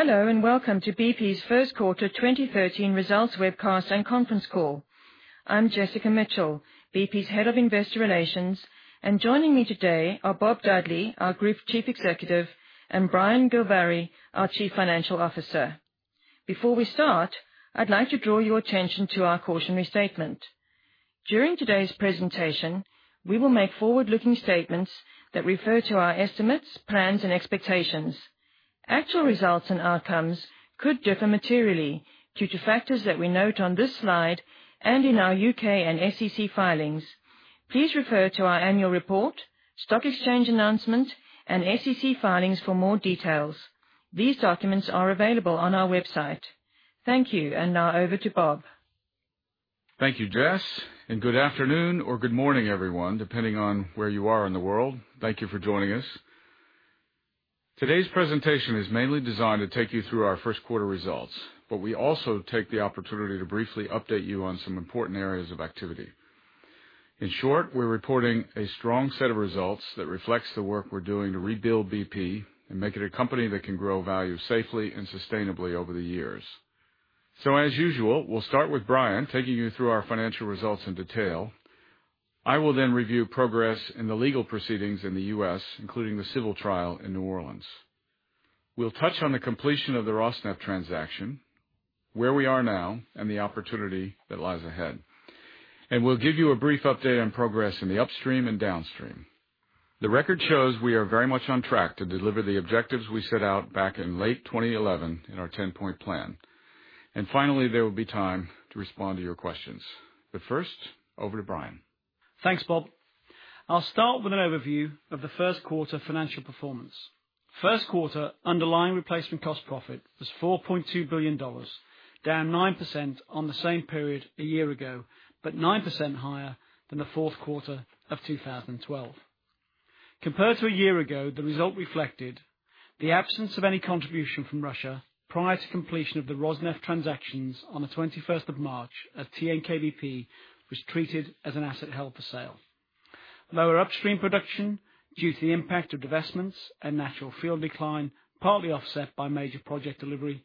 Hello, welcome to BP's first quarter 2013 results webcast and conference call. I'm Jessica Mitchell, BP's Head of Investor Relations, and joining me today are Bob Dudley, our Group Chief Executive, and Brian Gilvary, our Chief Financial Officer. Before we start, I'd like to draw your attention to our cautionary statement. During today's presentation, we will make forward-looking statements that refer to our estimates, plans, and expectations. Actual results and outcomes could differ materially due to factors that we note on this slide and in our U.K. and SEC filings. Please refer to our annual report, stock exchange announcement, and SEC filings for more details. These documents are available on our website. Thank you. Now over to Bob. Thank you, Jess. Good afternoon or good morning, everyone, depending on where you are in the world. Thank you for joining us. Today's presentation is mainly designed to take you through our first quarter results, but we also take the opportunity to briefly update you on some important areas of activity. In short, we're reporting a strong set of results that reflects the work we're doing to rebuild BP and make it a company that can grow value safely and sustainably over the years. As usual, we'll start with Brian taking you through our financial results in detail. I will then review progress in the legal proceedings in the U.S., including the civil trial in New Orleans. We'll touch on the completion of the Rosneft transaction, where we are now, and the opportunity that lies ahead. We'll give you a brief update on progress in the upstream and downstream. The record shows we are very much on track to deliver the objectives we set out back in late 2011 in our 10-point plan. Finally, there will be time to respond to your questions. First, over to Brian. Thanks, Bob. I'll start with an overview of the first quarter financial performance. First quarter underlying replacement cost profit was $4.2 billion, down 9% on the same period a year ago, but 9% higher than the fourth quarter of 2012. Compared to a year ago, the result reflected the absence of any contribution from Russia prior to completion of the Rosneft transactions on the 21st of March, as TNK-BP was treated as an asset held for sale. Lower upstream production due to the impact of divestments and natural field decline, partly offset by major project delivery,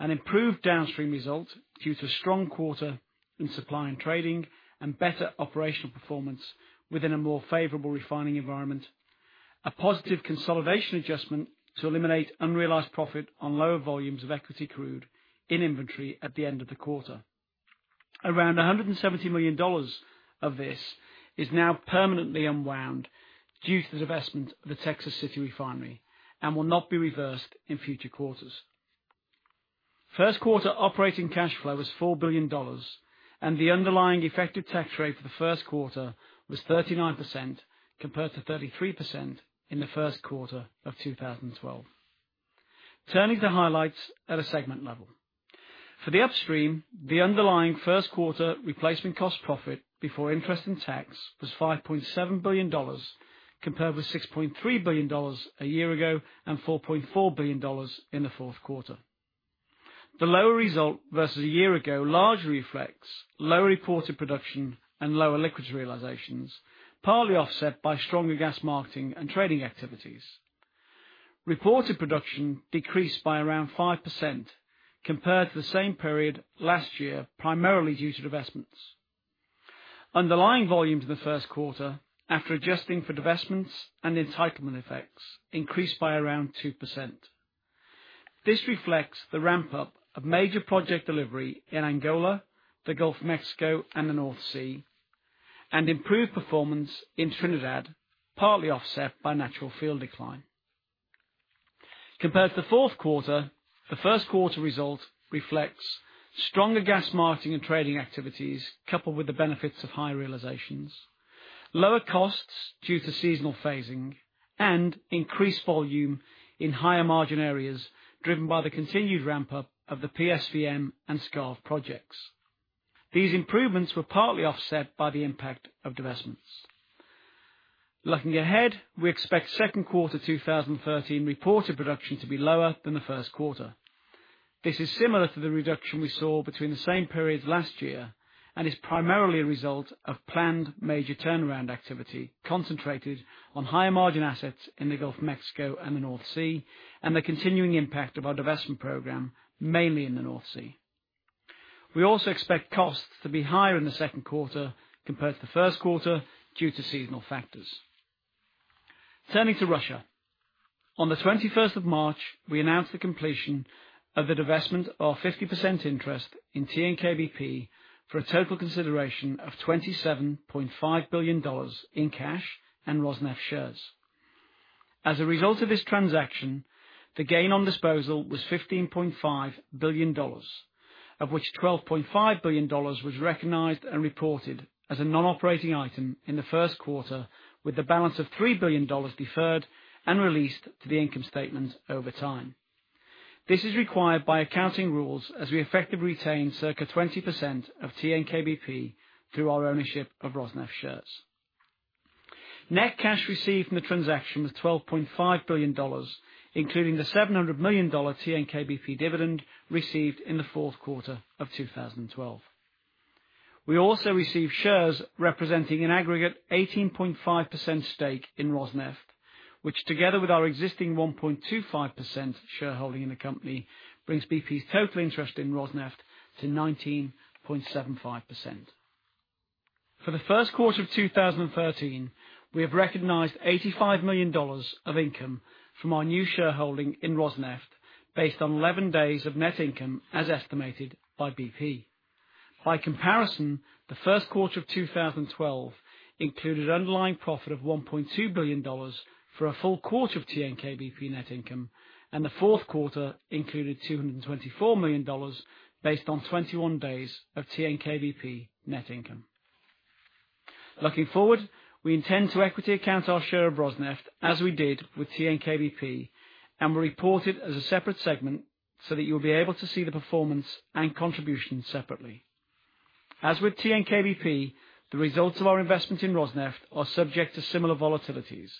and improved downstream results due to strong quarter in supply and trading and better operational performance within a more favorable refining environment. A positive consolidation adjustment to eliminate unrealized profit on lower volumes of equity crude in inventory at the end of the quarter. Around $170 million of this is now permanently unwound due to the divestment of the Texas City Refinery and will not be reversed in future quarters. First quarter operating cash flow was $4 billion, and the underlying effective tax rate for the first quarter was 39%, compared to 33% in the first quarter of 2012. Turning to highlights at a segment level. For the upstream, the underlying first quarter replacement cost profit before interest and tax was $5.7 billion, compared with $6.3 billion a year ago and $4.4 billion in the fourth quarter. The lower result versus a year ago largely reflects lower reported production and lower liquids realizations, partly offset by stronger gas marketing and trading activities. Reported production decreased by around 5% compared to the same period last year, primarily due to divestments. Underlying volumes in the first quarter after adjusting for divestments and entitlement effects increased by around 2%. This reflects the ramp-up of major project delivery in Angola, the Gulf of Mexico, and the North Sea, and improved performance in Trinidad, partly offset by natural field decline. Compared to the fourth quarter, the first quarter result reflects stronger gas marketing and trading activities, coupled with the benefits of high realizations, lower costs due to seasonal phasing, and increased volume in higher margin areas driven by the continued ramp-up of the PSVM and Skarv projects. These improvements were partly offset by the impact of divestments. Looking ahead, we expect second quarter 2013 reported production to be lower than the first quarter. This is similar to the reduction we saw between the same periods last year and is primarily a result of planned major turnaround activity concentrated on higher margin assets in the Gulf of Mexico and the North Sea, and the continuing impact of our divestment program, mainly in the North Sea. We also expect costs to be higher in the second quarter compared to the first quarter due to seasonal factors. Turning to Russia. On the 21st of March, we announced the completion of the divestment of our 50% interest in TNK-BP for a total consideration of $27.5 billion in cash and Rosneft shares. As a result of this transaction, the gain on disposal was $15.5 billion, of which $12.5 billion was recognized and reported as a non-operating item in the first quarter, with the balance of $3 billion deferred and released to the income statement over time. This is required by accounting rules as we effectively retain circa 20% of TNK-BP through our ownership of Rosneft shares. Net cash received from the transaction was $12.5 billion, including the $700 million TNK-BP dividend received in the fourth quarter of 2012. We also received shares representing an aggregate 18.5% stake in Rosneft, which together with our existing 1.25% shareholding in the company, brings BP's total interest in Rosneft to 19.75%. For the first quarter of 2013, we have recognized $85 million of income from our new shareholding in Rosneft, based on 11 days of net income, as estimated by BP. By comparison, the first quarter of 2012 included underlying profit of $1.2 billion for a full quarter of TNK-BP net income, and the fourth quarter included $224 million based on 21 days of TNK-BP net income. Looking forward, we intend to equity account our share of Rosneft as we did with TNK-BP and will report it as a separate segment so that you will be able to see the performance and contribution separately. As with TNK-BP, the results of our investment in Rosneft are subject to similar volatilities,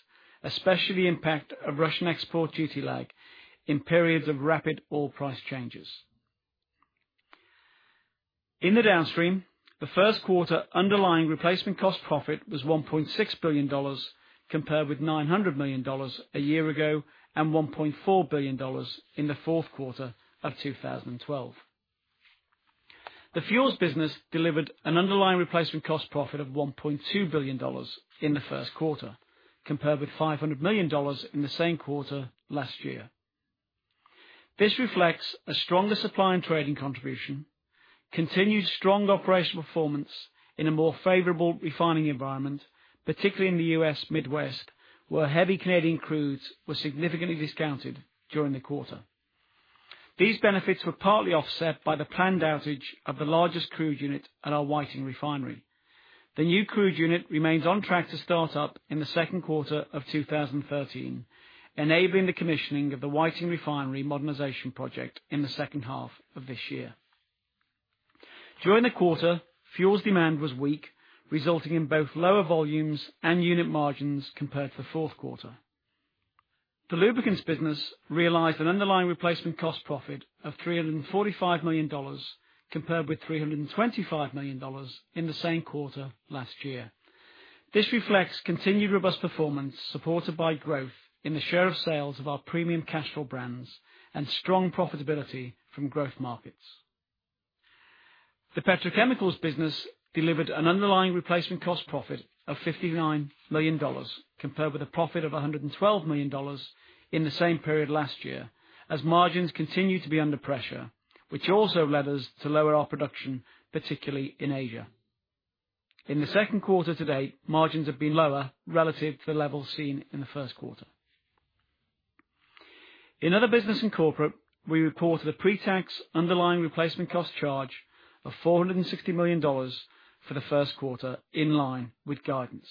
especially the impact of Russian export duty lag in periods of rapid oil price changes. In the Downstream, the first quarter underlying replacement cost profit was $1.6 billion, compared with $900 million a year ago and $1.4 billion in the fourth quarter of 2012. The fuels business delivered an underlying replacement cost profit of $1.2 billion in the first quarter, compared with $500 million in the same quarter last year. This reflects a stronger supply and trading contribution, continued strong operational performance in a more favorable refining environment, particularly in the U.S. Midwest, where heavy Canadian crudes were significantly discounted during the quarter. These benefits were partly offset by the planned outage of the largest crude unit at our Whiting Refinery. The new crude unit remains on track to start up in the second quarter of 2013, enabling the commissioning of the Whiting Refinery modernization project in the second half of this year. During the quarter, fuels demand was weak, resulting in both lower volumes and unit margins compared to the fourth quarter. The lubricants business realized an underlying replacement cost profit of $345 million, compared with $325 million in the same quarter last year. This reflects continued robust performance, supported by growth in the share of sales of our premium Castrol brands and strong profitability from growth markets. The petrochemicals business delivered an underlying replacement cost profit of $59 million, compared with a profit of $112 million in the same period last year, as margins continue to be under pressure, which also led us to lower our production, particularly in Asia. In the second quarter to date, margins have been lower relative to the level seen in the first quarter. In Other Business and Corporate, we reported a pre-tax underlying replacement cost charge of $460 million for the first quarter, in line with guidance.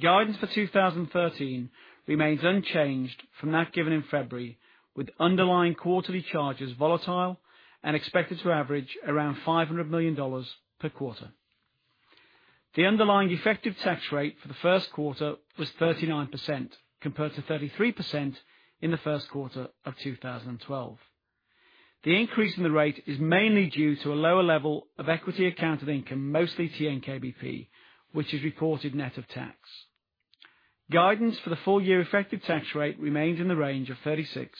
Guidance for 2013 remains unchanged from that given in February, with underlying quarterly charges volatile and expected to average around $500 million per quarter. The underlying effective tax rate for the first quarter was 39%, compared to 33% in the first quarter of 2012. The increase in the rate is mainly due to a lower level of equity account of income, mostly TNK-BP, which is reported net of tax. Guidance for the full year effective tax rate remains in the range of 36%-38%.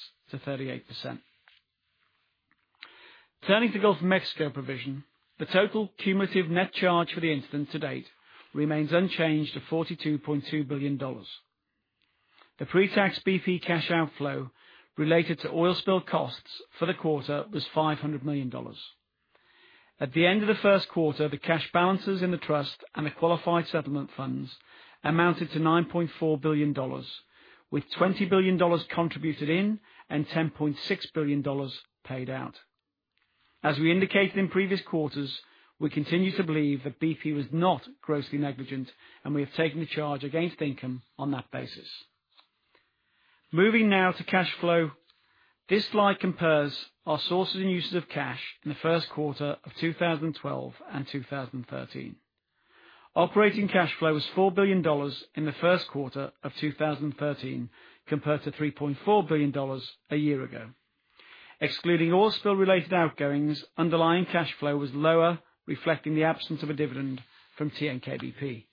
Turning to the Gulf of Mexico provision, the total cumulative net charge for the incident to date remains unchanged at $42.2 billion. The pre-tax BP cash outflow related to oil spill costs for the quarter was $500 million. At the end of the first quarter, the cash balances in the trust and the qualified settlement funds amounted to $9.4 billion, with $20 billion contributed in and $10.6 billion paid out. As we indicated in previous quarters, we continue to believe that BP was not grossly negligent, and we have taken the charge against income on that basis. Moving now to cash flow. This slide compares our sources and uses of cash in the first quarter of 2012 and 2013. Operating cash flow was $4 billion in the first quarter of 2013, compared to $3.4 billion a year ago. Excluding oil spill related outgoings, underlying cash flow was lower, reflecting the absence of a dividend from TNK-BP.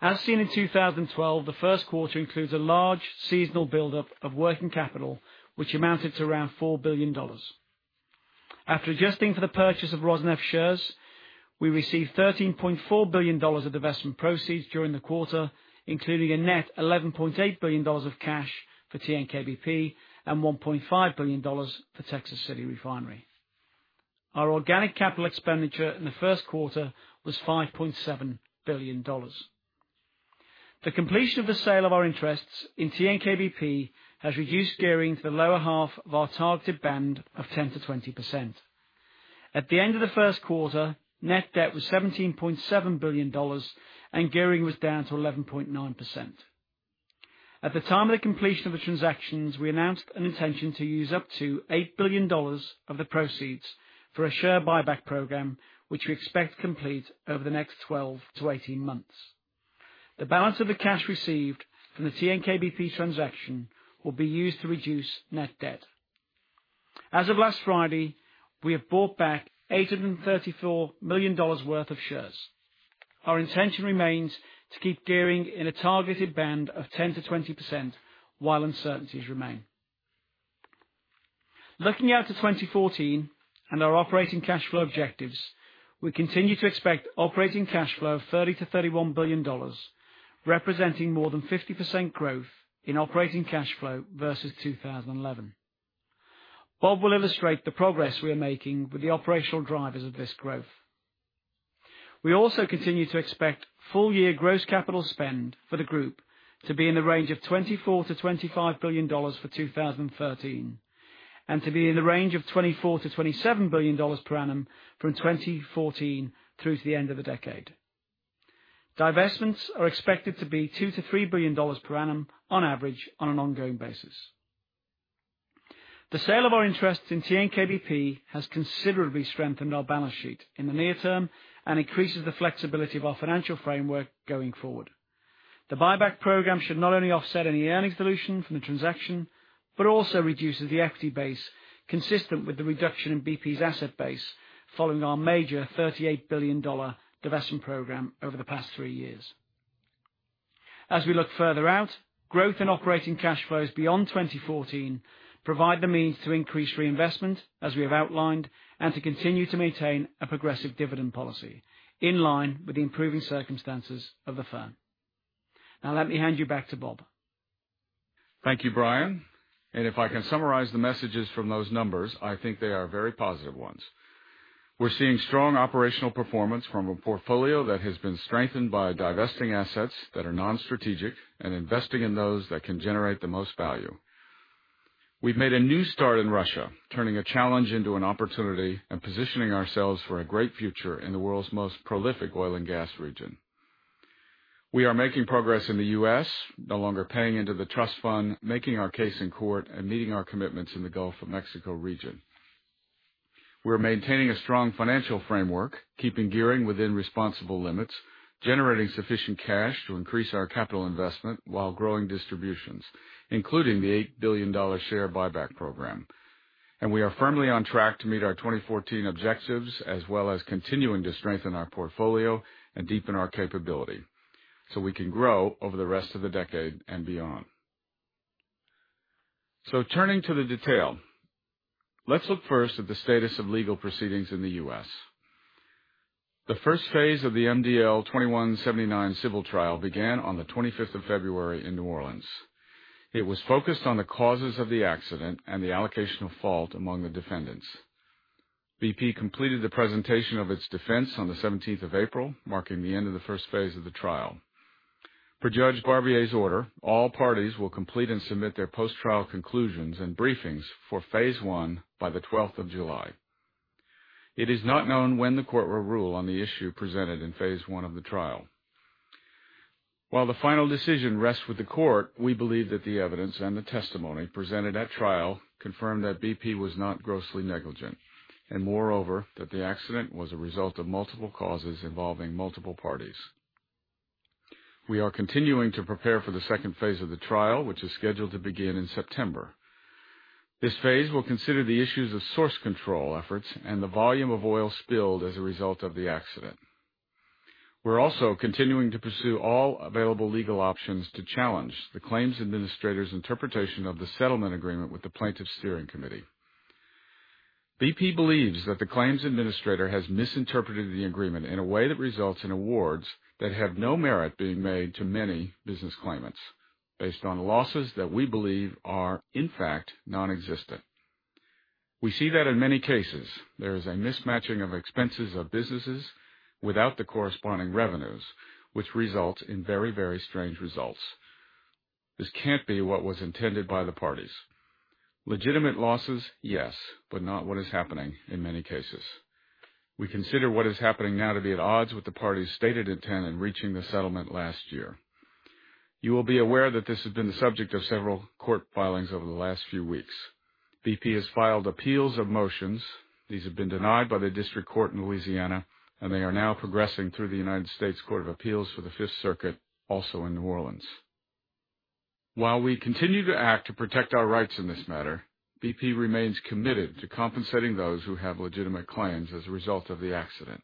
As seen in 2012, the first quarter includes a large seasonal buildup of working capital, which amounted to around $4 billion. After adjusting for the purchase of Rosneft shares, we received $13.4 billion of investment proceeds during the quarter, including a net $11.8 billion of cash for TNK-BP and $1.5 billion for Texas City Refinery. Our organic capital expenditure in the first quarter was $5.7 billion. The completion of the sale of our interests in TNK-BP has reduced gearing to the lower half of our targeted band of 10%-20%. At the end of the first quarter, net debt was $17.7 billion and gearing was down to 11.9%. At the time of the completion of the transactions, we announced an intention to use up to $8 billion of the proceeds for a share buyback program, which we expect to complete over the next 12 to 18 months. The balance of the cash received from the TNK-BP transaction will be used to reduce net debt. As of last Friday, we have bought back $834 million worth of shares. Our intention remains to keep gearing in a targeted band of 10%-20% while uncertainties remain. Looking out to 2014 and our operating cash flow objectives, we continue to expect operating cash flow of $30 billion-$31 billion, representing more than 50% growth in operating cash flow versus 2011. Bob will illustrate the progress we are making with the operational drivers of this growth. We also continue to expect full year gross capital spend for the group to be in the range of $24 billion-$25 billion for 2013, and to be in the range of $24 billion-$27 billion per annum from 2014 through to the end of the decade. Divestments are expected to be $2 billion-$3 billion per annum on average, on an ongoing basis. The sale of our interest in TNK-BP has considerably strengthened our balance sheet in the near term and increases the flexibility of our financial framework going forward. The buyback program should not only offset any earnings dilution from the transaction, but also reduces the equity base consistent with the reduction in BP's asset base following our major $38 billion divestment program over the past three years. As we look further out, growth in operating cash flows beyond 2014 provide the means to increase reinvestment, as we have outlined, and to continue to maintain a progressive dividend policy in line with the improving circumstances of the firm. Now let me hand you back to Bob. Thank you, Brian. If I can summarize the messages from those numbers, I think they are very positive ones. We're seeing strong operational performance from a portfolio that has been strengthened by divesting assets that are non-strategic and investing in those that can generate the most value. We've made a new start in Russia, turning a challenge into an opportunity and positioning ourselves for a great future in the world's most prolific oil and gas region. We are making progress in the U.S., no longer paying into the trust fund, making our case in court, and meeting our commitments in the Gulf of Mexico region. We're maintaining a strong financial framework, keeping gearing within responsible limits, generating sufficient cash to increase our capital investment while growing distributions, including the $8 billion share buyback program. We are firmly on track to meet our 2014 objectives, as well as continuing to strengthen our portfolio and deepen our capability so we can grow over the rest of the decade and beyond. Turning to the detail, let's look first at the status of legal proceedings in the U.S. The first phase of the MDL 2179 civil trial began on the 25th of February in New Orleans. It was focused on the causes of the accident and the allocation of fault among the defendants. BP completed the presentation of its defense on the 17th of April, marking the end of the first phase of the trial. Per Judge Barbier's order, all parties will complete and submit their post-trial conclusions and briefings for phase 1 by the 12th of July. It is not known when the court will rule on the issue presented in phase 1 of the trial. While the final decision rests with the court, we believe that the evidence and the testimony presented at trial confirmed that BP was not grossly negligent, and moreover, that the accident was a result of multiple causes involving multiple parties. We are continuing to prepare for the second phase of the trial, which is scheduled to begin in September. This phase will consider the issues of source control efforts and the volume of oil spilled as a result of the accident. We're also continuing to pursue all available legal options to challenge the claims administrator's interpretation of the settlement agreement with the plaintiffs' steering committee. BP believes that the claims administrator has misinterpreted the agreement in a way that results in awards that have no merit being made to many business claimants based on losses that we believe are in fact non-existent. We see that in many cases, there is a mismatching of expenses of businesses without the corresponding revenues, which result in very, very strange results. This can't be what was intended by the parties. Legitimate losses, yes, but not what is happening in many cases. We consider what is happening now to be at odds with the parties' stated intent in reaching the settlement last year. You will be aware that this has been the subject of several court filings over the last few weeks. BP has filed appeals of motions. These have been denied by the district court in Louisiana, and they are now progressing through the United States Court of Appeals for the Fifth Circuit, also in New Orleans. While we continue to act to protect our rights in this matter, BP remains committed to compensating those who have legitimate claims as a result of the accident.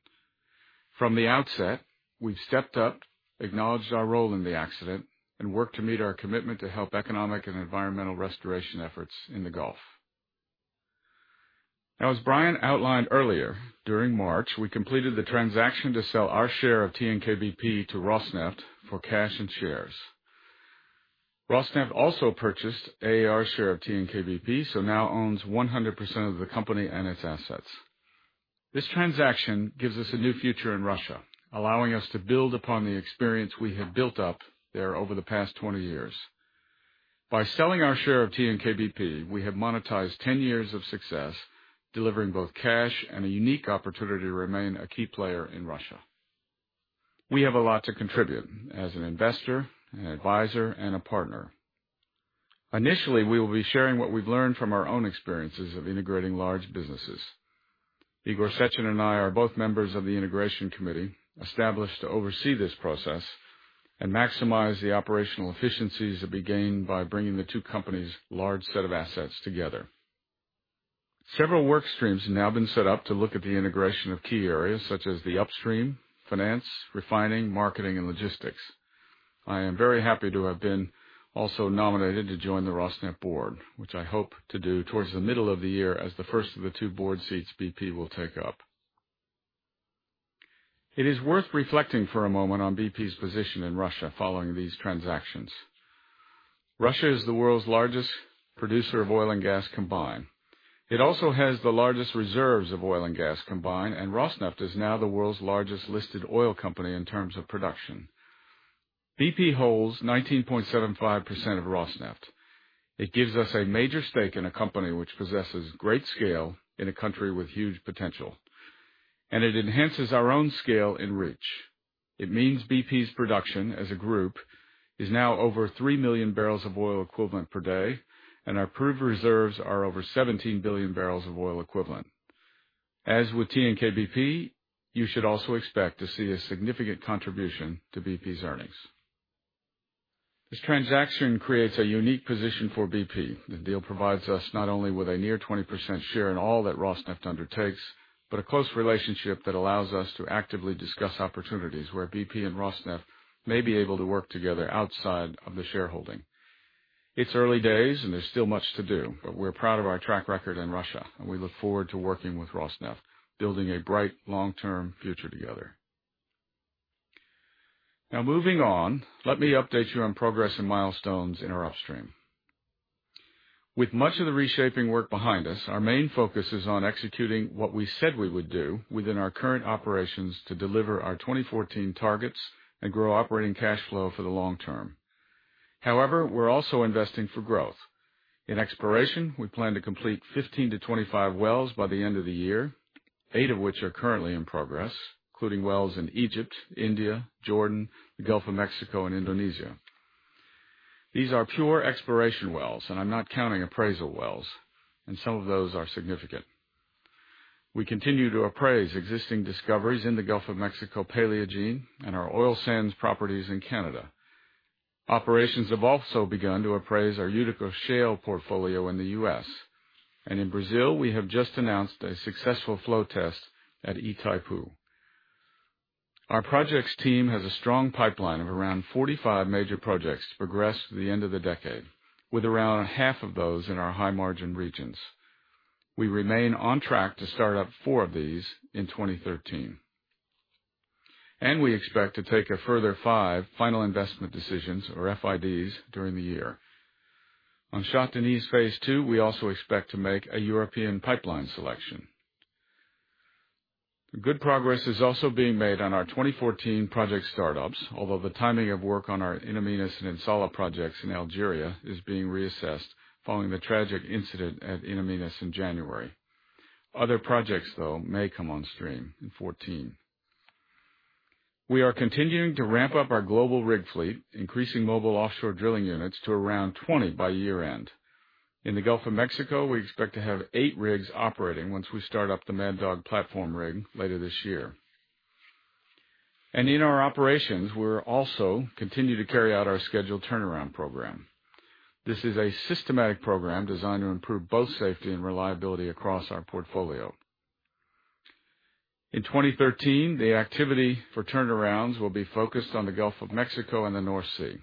From the outset, we've stepped up, acknowledged our role in the accident, and worked to meet our commitment to help economic and environmental restoration efforts in the Gulf. Now, as Brian outlined earlier, during March, we completed the transaction to sell our share of TNK-BP to Rosneft for cash and shares. Rosneft also purchased AAR's share of TNK-BP, so now owns 100% of the company and its assets. This transaction gives us a new future in Russia, allowing us to build upon the experience we have built up there over the past 20 years. By selling our share of TNK-BP, we have monetized 10 years of success, delivering both cash and a unique opportunity to remain a key player in Russia. We have a lot to contribute as an investor, an advisor, and a partner. Initially, we will be sharing what we've learned from our own experiences of integrating large businesses. Igor Sechin and I are both members of the integration committee established to oversee this process and maximize the operational efficiencies that be gained by bringing the two companies' large set of assets together. Several work streams have now been set up to look at the integration of key areas such as the upstream, finance, refining, marketing, and logistics. I am very happy to have been also nominated to join the Rosneft board, which I hope to do towards the middle of the year as the first of the two board seats BP will take up. It is worth reflecting for a moment on BP's position in Russia following these transactions. Russia is the world's largest producer of oil and gas combined. It also has the largest reserves of oil and gas combined, and Rosneft is now the world's largest listed oil company in terms of production. BP holds 19.75% of Rosneft. It gives us a major stake in a company which possesses great scale in a country with huge potential, and it enhances our own scale in Russia. It means BP's production as a group is now over 3 million barrels of oil equivalent per day, and our proven reserves are over 17 billion barrels of oil equivalent. As with TNK-BP, you should also expect to see a significant contribution to BP's earnings. This transaction creates a unique position for BP. The deal provides us not only with a near 20% share in all that Rosneft undertakes, but a close relationship that allows us to actively discuss opportunities where BP and Rosneft may be able to work together outside of the shareholding. It's early days, and there's still much to do, but we're proud of our track record in Russia, and we look forward to working with Rosneft, building a bright long-term future together. Now, moving on, let me update you on progress and milestones in our upstream. With much of the reshaping work behind us, our main focus is on executing what we said we would do within our current operations to deliver our 2014 targets and grow operating cash flow for the long term. However, we're also investing for growth. In exploration, we plan to complete 15-25 wells by the end of the year, eight of which are currently in progress, including wells in Egypt, India, Jordan, the Gulf of Mexico, and Indonesia. These are pure exploration wells, and I'm not counting appraisal wells, and some of those are significant. We continue to appraise existing discoveries in the Gulf of Mexico Paleogene and our oil sands properties in Canada. Operations have also begun to appraise our Utica shale portfolio in the U.S. In Brazil, we have just announced a successful flow test at Itaipu. Our projects team has a strong pipeline of around 45 major projects to progress through the end of the decade, with around half of those in our high-margin regions. We remain on track to start up four of these in 2013. We expect to take a further five final investment decisions or FIDs during the year. On Shah Deniz Phase 2, we also expect to make a European pipeline selection. Good progress is also being made on our 2014 project startups. Although the timing of work on our In Amenas and In Salah projects in Algeria is being reassessed following the tragic incident at In Amenas in January. Other projects, though, may come on stream in 2014. We are continuing to ramp up our global rig fleet, increasing mobile offshore drilling units to around 20 by year-end. In the Gulf of Mexico, we expect to have eight rigs operating once we start up the Mad Dog platform rig later this year. In our operations, we'll also continue to carry out our scheduled turnaround program. This is a systematic program designed to improve both safety and reliability across our portfolio. In 2013, the activity for turnarounds will be focused on the Gulf of Mexico and the North Sea.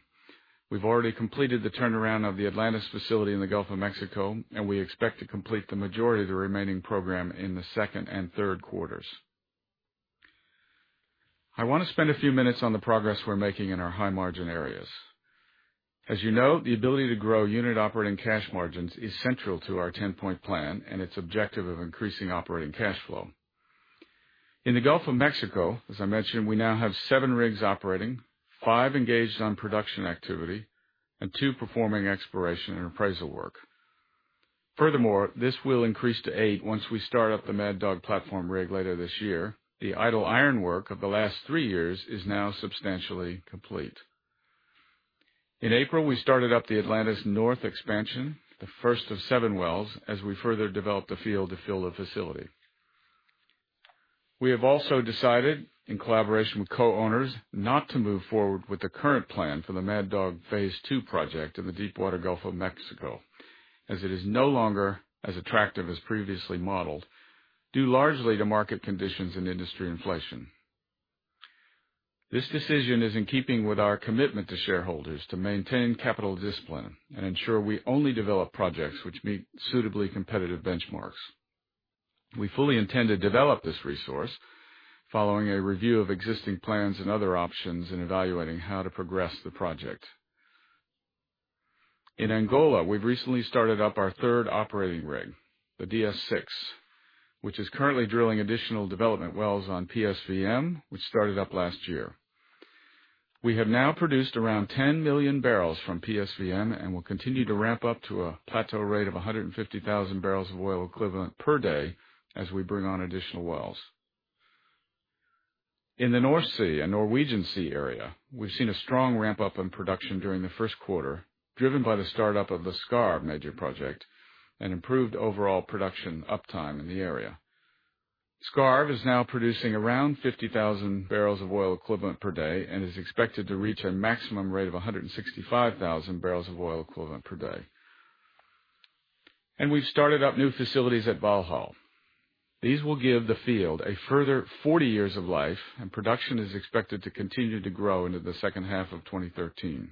We've already completed the turnaround of the Atlantis facility in the Gulf of Mexico, and we expect to complete the majority of the remaining program in the second and third quarters. I want to spend a few minutes on the progress we're making in our high-margin areas. As you know, the ability to grow unit operating cash margins is central to our 10-point plan and its objective of increasing operating cash flow. In the Gulf of Mexico, as I mentioned, we now have seven rigs operating, five engaged on production activity, and two performing exploration and appraisal work. Furthermore, this will increase to eight once we start up the Mad Dog platform rig later this year. The idle ironwork of the last three years is now substantially complete. In April, we started up the Atlantis North expansion, the first of seven wells, as we further develop the field to fill the facility. We have also decided, in collaboration with co-owners, not to move forward with the current plan for the Mad Dog Phase 2 project in the Deepwater Gulf of Mexico, as it is no longer as attractive as previously modeled, due largely to market conditions and industry inflation. This decision is in keeping with our commitment to shareholders to maintain capital discipline and ensure we only develop projects which meet suitably competitive benchmarks. We fully intend to develop this resource following a review of existing plans and other options in evaluating how to progress the project. In Angola, we've recently started up our third operating rig, the DS-6, which is currently drilling additional development wells on PSVM, which started up last year. We have now produced around 10 million barrels from PSVM and will continue to ramp up to a plateau rate of 150,000 barrels of oil equivalent per day as we bring on additional wells. In the North Sea and Norwegian Sea area, we've seen a strong ramp-up in production during the first quarter, driven by the startup of the Skarv major project and improved overall production uptime in the area. Skarv is now producing around 50,000 barrels of oil equivalent per day and is expected to reach a maximum rate of 165,000 barrels of oil equivalent per day. We've started up new facilities at Valhall. These will give the field a further 40 years of life, and production is expected to continue to grow into the second half of 2013.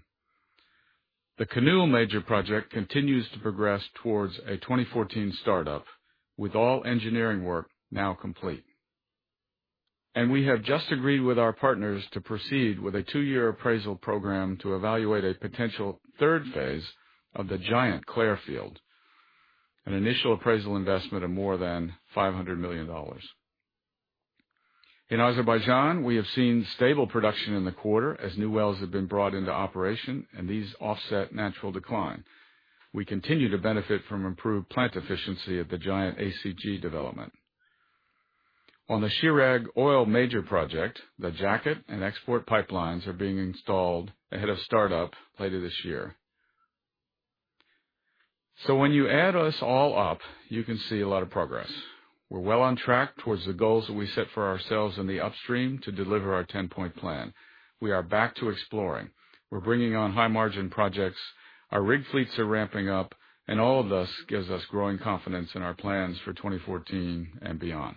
The Kinnoull major project continues to progress towards a 2014 startup, with all engineering work now complete. We have just agreed with our partners to proceed with a two-year appraisal program to evaluate a potential third phase of the giant Clair field, an initial appraisal investment of more than $500 million. In Azerbaijan, we have seen stable production in the quarter as new wells have been brought into operation, and these offset natural decline. We continue to benefit from improved plant efficiency at the giant ACG development. On the Chirag oil major project, the jacket and export pipelines are being installed ahead of startup later this year. When you add us all up, you can see a lot of progress. We're well on track towards the goals that we set for ourselves in the upstream to deliver our 10-point plan. We are back to exploring. We're bringing on high-margin projects. Our rig fleets are ramping up, and all of this gives us growing confidence in our plans for 2014 and beyond.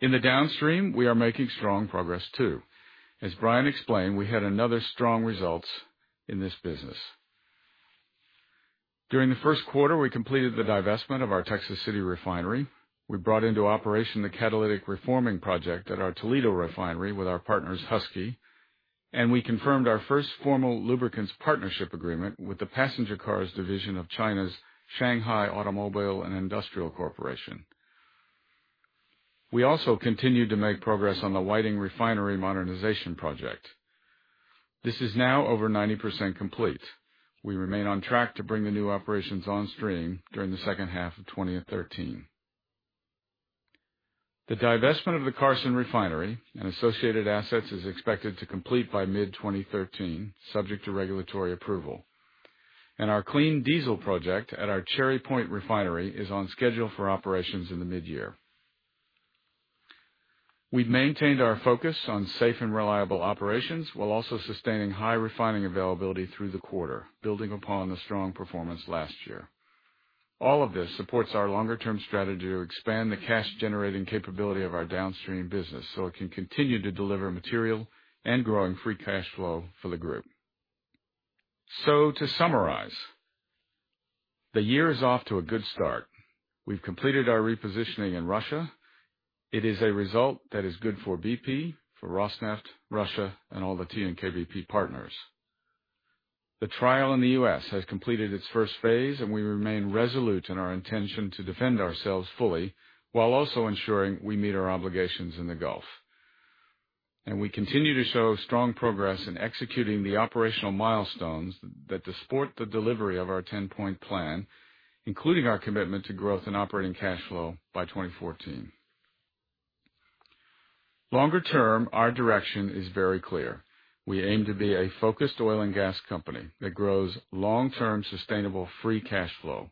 In the downstream, we are making strong progress, too. As Brian explained, we had another strong results in this business. During the first quarter, we completed the divestment of our Texas City refinery. We brought into operation the catalytic reforming project at our Toledo refinery with our partners Husky, and we confirmed our first formal lubricants partnership agreement with the passenger cars division of China's Shanghai Automotive Industry Corporation. We also continued to make progress on the Whiting Refinery modernization project. This is now over 90% complete. We remain on track to bring the new operations on stream during the second half of 2013. The divestment of the Carson Refinery and associated assets is expected to complete by mid-2013, subject to regulatory approval. Our clean diesel project at our Cherry Point Refinery is on schedule for operations in the mid-year. We've maintained our focus on safe and reliable operations while also sustaining high refining availability through the quarter, building upon the strong performance last year. All of this supports our longer-term strategy to expand the cash-generating capability of our downstream business so it can continue to deliver material and growing free cash flow for the group. To summarize, the year is off to a good start. We've completed our repositioning in Russia. It is a result that is good for BP, for Rosneft, Russia, and all the TNK-BP partners. The trial in the U.S. has completed its first phase, and we remain resolute in our intention to defend ourselves fully while also ensuring we meet our obligations in the Gulf. We continue to show strong progress in executing the operational milestones that support the delivery of our 10-point plan, including our commitment to growth in operating cash flow by 2014. Longer term, our direction is very clear. We aim to be a focused oil and gas company that grows long-term sustainable free cash flow.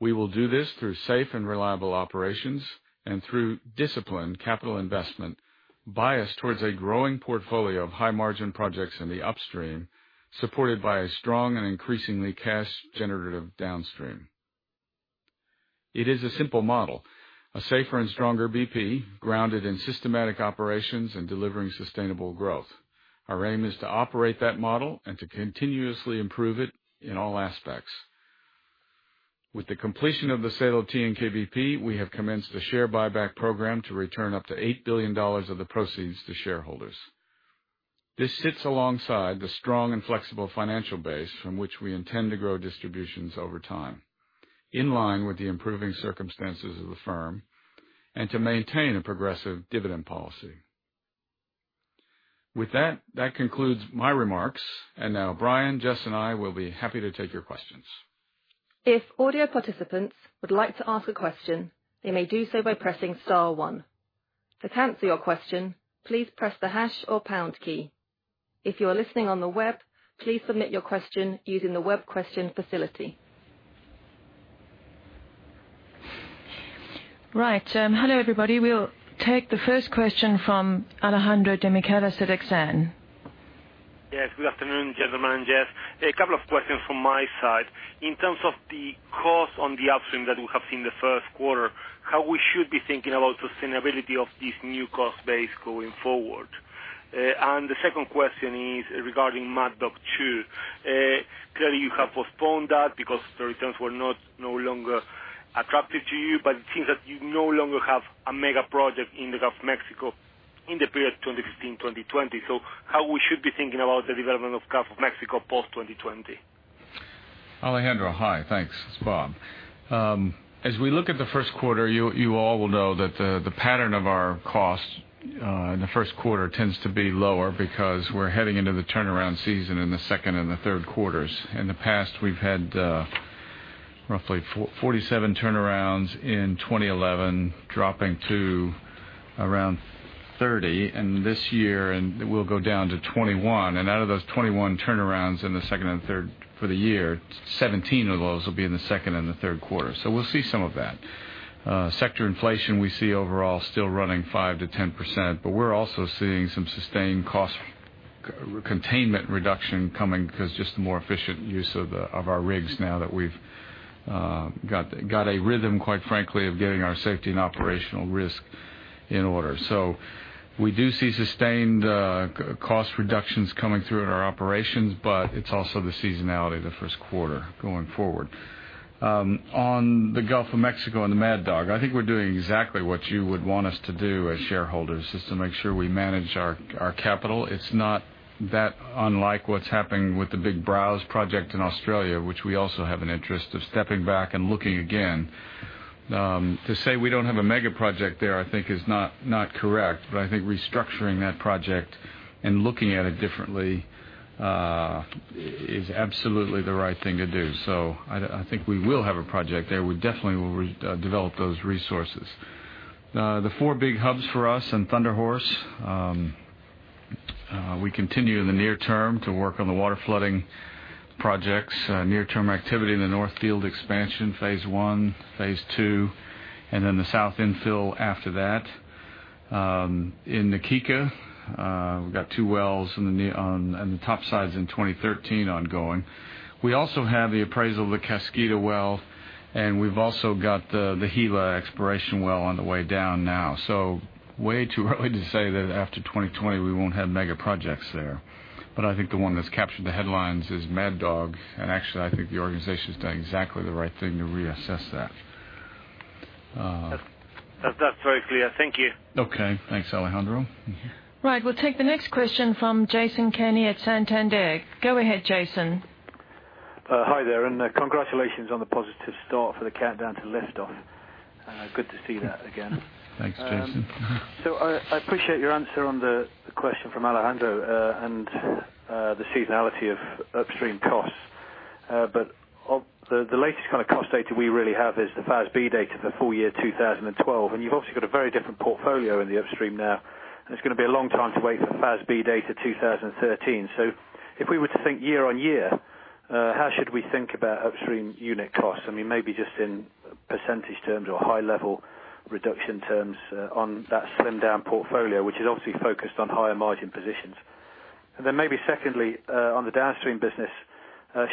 We will do this through safe and reliable operations and through disciplined capital investment biased towards a growing portfolio of high-margin projects in the upstream, supported by a strong and increasingly cash-generative downstream. It is a simple model, a safer and stronger BP grounded in systematic operations and delivering sustainable growth. Our aim is to operate that model and to continuously improve it in all aspects. With the completion of the sale of TNK-BP, we have commenced a share buyback program to return up to $8 billion of the proceeds to shareholders. This sits alongside the strong and flexible financial base from which we intend to grow distributions over time, in line with the improving circumstances of the firm, and to maintain a progressive dividend policy. With that concludes my remarks. Now Brian, Jess, and I will be happy to take your questions. If audio participants would like to ask a question, they may do so by pressing star one. To cancel your question, please press the hash or pound key. If you are listening on the web, please submit your question using the web question facility. Right. Hello, everybody. We'll take the first question from Alejandro Demichelis at Exane. Yes. Good afternoon, gentlemen, and Jess. A couple of questions from my side. In terms of the cost on the upstream that we have seen the first quarter, how we should be thinking about sustainability of this new cost base going forward. The second question is regarding Mad Dog 2. Clearly, you have postponed that because the returns were no longer attractive to you, but it seems that you no longer have a mega project in the Gulf of Mexico in the period 2015 to 2020. How we should be thinking about the development of Gulf of Mexico post 2020? Alejandro, hi. Thanks. It's Bob. As we look at the first quarter, you all will know that the pattern of our costs in the first quarter tends to be lower because we're heading into the turnaround season in the second and the third quarters. In the past, we've had roughly 47 turnarounds in 2011, dropping to around 30. This year it will go down to 21. Out of those 21 turnarounds in the second and third for the year, 17 of those will be in the second and the third quarter. We'll see some of that. Sector inflation we see overall still running 5%-10%, but we're also seeing some sustained cost containment reduction coming because just the more efficient use of our rigs now that we've got a rhythm, quite frankly, of getting our safety and operational risk in order. We do see sustained cost reductions coming through in our operations, but it's also the seasonality of the first quarter going forward. On the Gulf of Mexico and the Mad Dog, I think we're doing exactly what you would want us to do as shareholders, is to make sure we manage our capital. It's not that unlike what's happening with the big Browse project in Australia, which we also have an interest of stepping back and looking again. To say we don't have a mega-project there, I think is not correct. I think restructuring that project and looking at it differently is absolutely the right thing to do. I think we will have a project there. We definitely will develop those resources. The four big hubs for us and Thunder Horse, we continue in the near term to work on the water-flooding projects, near-term activity in the North Field Expansion, phase 1, phase 2, and then the South Infill after that. In the Kika, we've got two wells and the topside's in 2013 ongoing. We also have the appraisal of the Kaskida well, and we've also got the Gila exploration well on the way down now. Way too early to say that after 2020 we won't have mega-projects there. I think the one that's captured the headlines is Mad Dog, and actually, I think the organization's done exactly the right thing to reassess that. That's very clear. Thank you. Okay. Thanks, Alejandro. Right. We'll take the next question from Jason Kenney at Santander. Go ahead, Jason. Hi there, congratulations on the positive start for the countdown to liftoff. Good to see that again. Thanks, Jason. I appreciate your answer on the question from Alejandro, and the seasonality of upstream costs. The latest kind of cost data we really have is the FASB data for full year 2012, and you've obviously got a very different portfolio in the upstream now, and it's going to be a long time to wait for FASB data 2013. If we were to think year-over-year, how should we think about upstream unit costs? I mean, maybe just in % terms or high-level reduction terms on that slimmed-down portfolio, which is obviously focused on higher margin positions. Maybe secondly, on the downstream business,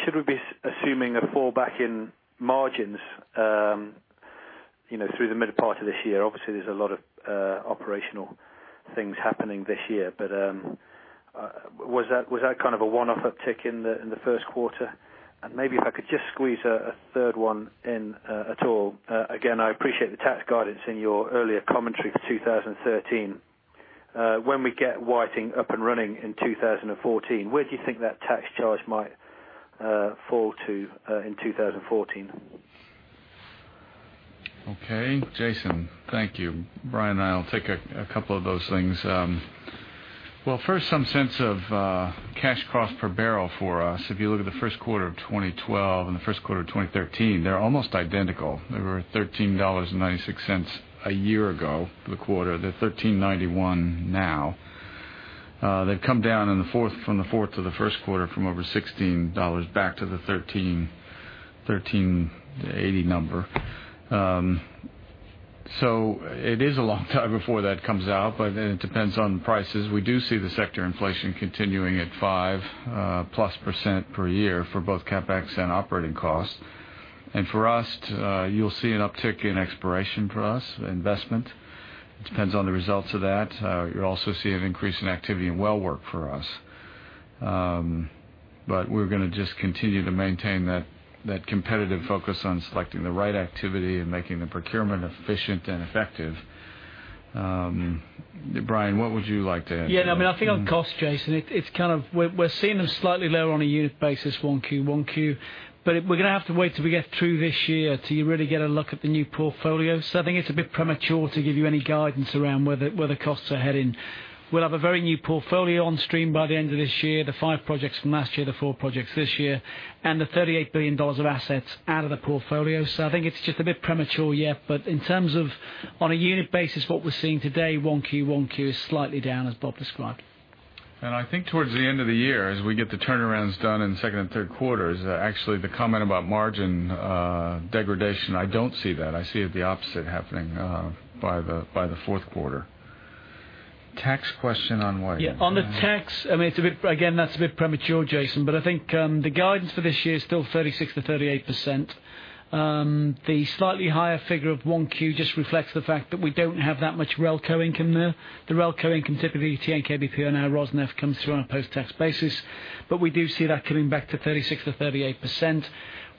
should we be assuming a fallback in margins through the mid part of this year? Obviously, there's a lot of operational things happening this year. Was that kind of a one-off uptick in the first quarter? Maybe if I could just squeeze a third one in at all. Again, I appreciate the tax guidance in your earlier commentary for 2013. When we get Whiting up and running in 2014, where do you think that tax charge might fall to in 2014? Okay. Jason, thank you. Brian and I will take a couple of those things. Well, first, some sense of cash cost per barrel for us. If you look at the first quarter of 2012 and the first quarter of 2013, they're almost identical. They were $13.96 a year ago for the quarter. They're $13.91 now. They've come down from the fourth to the first quarter from over $16 back to the $13.80 number. It is a long time before that comes out, it depends on prices. We do see the sector inflation continuing at 5%+ per year for both CapEx and operating costs. For us, you'll see an uptick in exploration for us, investment. It depends on the results of that. You'll also see an increase in activity in well work for us. We're going to just continue to maintain that competitive focus on selecting the right activity and making the procurement efficient and effective. Brian, what would you like to add? Yeah, no, I think on cost, Jason, we're seeing them slightly lower on a unit basis 1Q1Q. We're going to have to wait till we get through this year till you really get a look at the new portfolio. I think it's a bit premature to give you any guidance around where the costs are heading. We'll have a very new portfolio on stream by the end of this year, the five projects from last year, the four projects this year, and the $38 billion of assets out of the portfolio. I think it's just a bit premature yet. In terms of on a unit basis, what we're seeing today, 1Q1Q is slightly down, as Bob described. I think towards the end of the year, as we get the turnarounds done in the second and third quarters, actually the comment about margin degradation, I don't see that. I see the opposite happening by the fourth quarter. Tax question on what? Yeah. On the tax, again, that's a bit premature, Jason, I think the guidance for this year is still 36%-38%. The slightly higher figure of 1Q just reflects the fact that we don't have that much [relco income] there. The [relco income], typically TNK-BP and our Rosneft comes through on a post-tax basis. We do see that coming back to 36%-38%.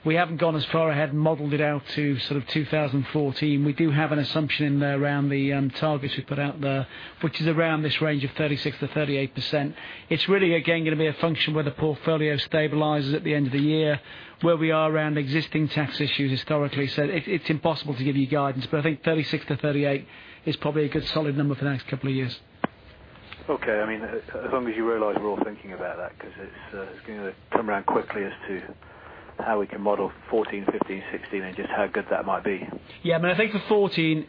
We haven't gone as far ahead and modeled it out to sort of 2014. We do have an assumption in there around the targets we put out there, which is around this range of 36%-38%. It's really, again, going to be a function where the portfolio stabilizes at the end of the year, where we are around existing tax issues historically. It's impossible to give you guidance, but I think 36%-38% is probably a good solid number for the next couple of years. Okay. As long as you realize we're all thinking about that, because it's going to come around quickly as to how we can model 2014, 2015, 2016, and just how good that might be. Yeah. I think for 2014,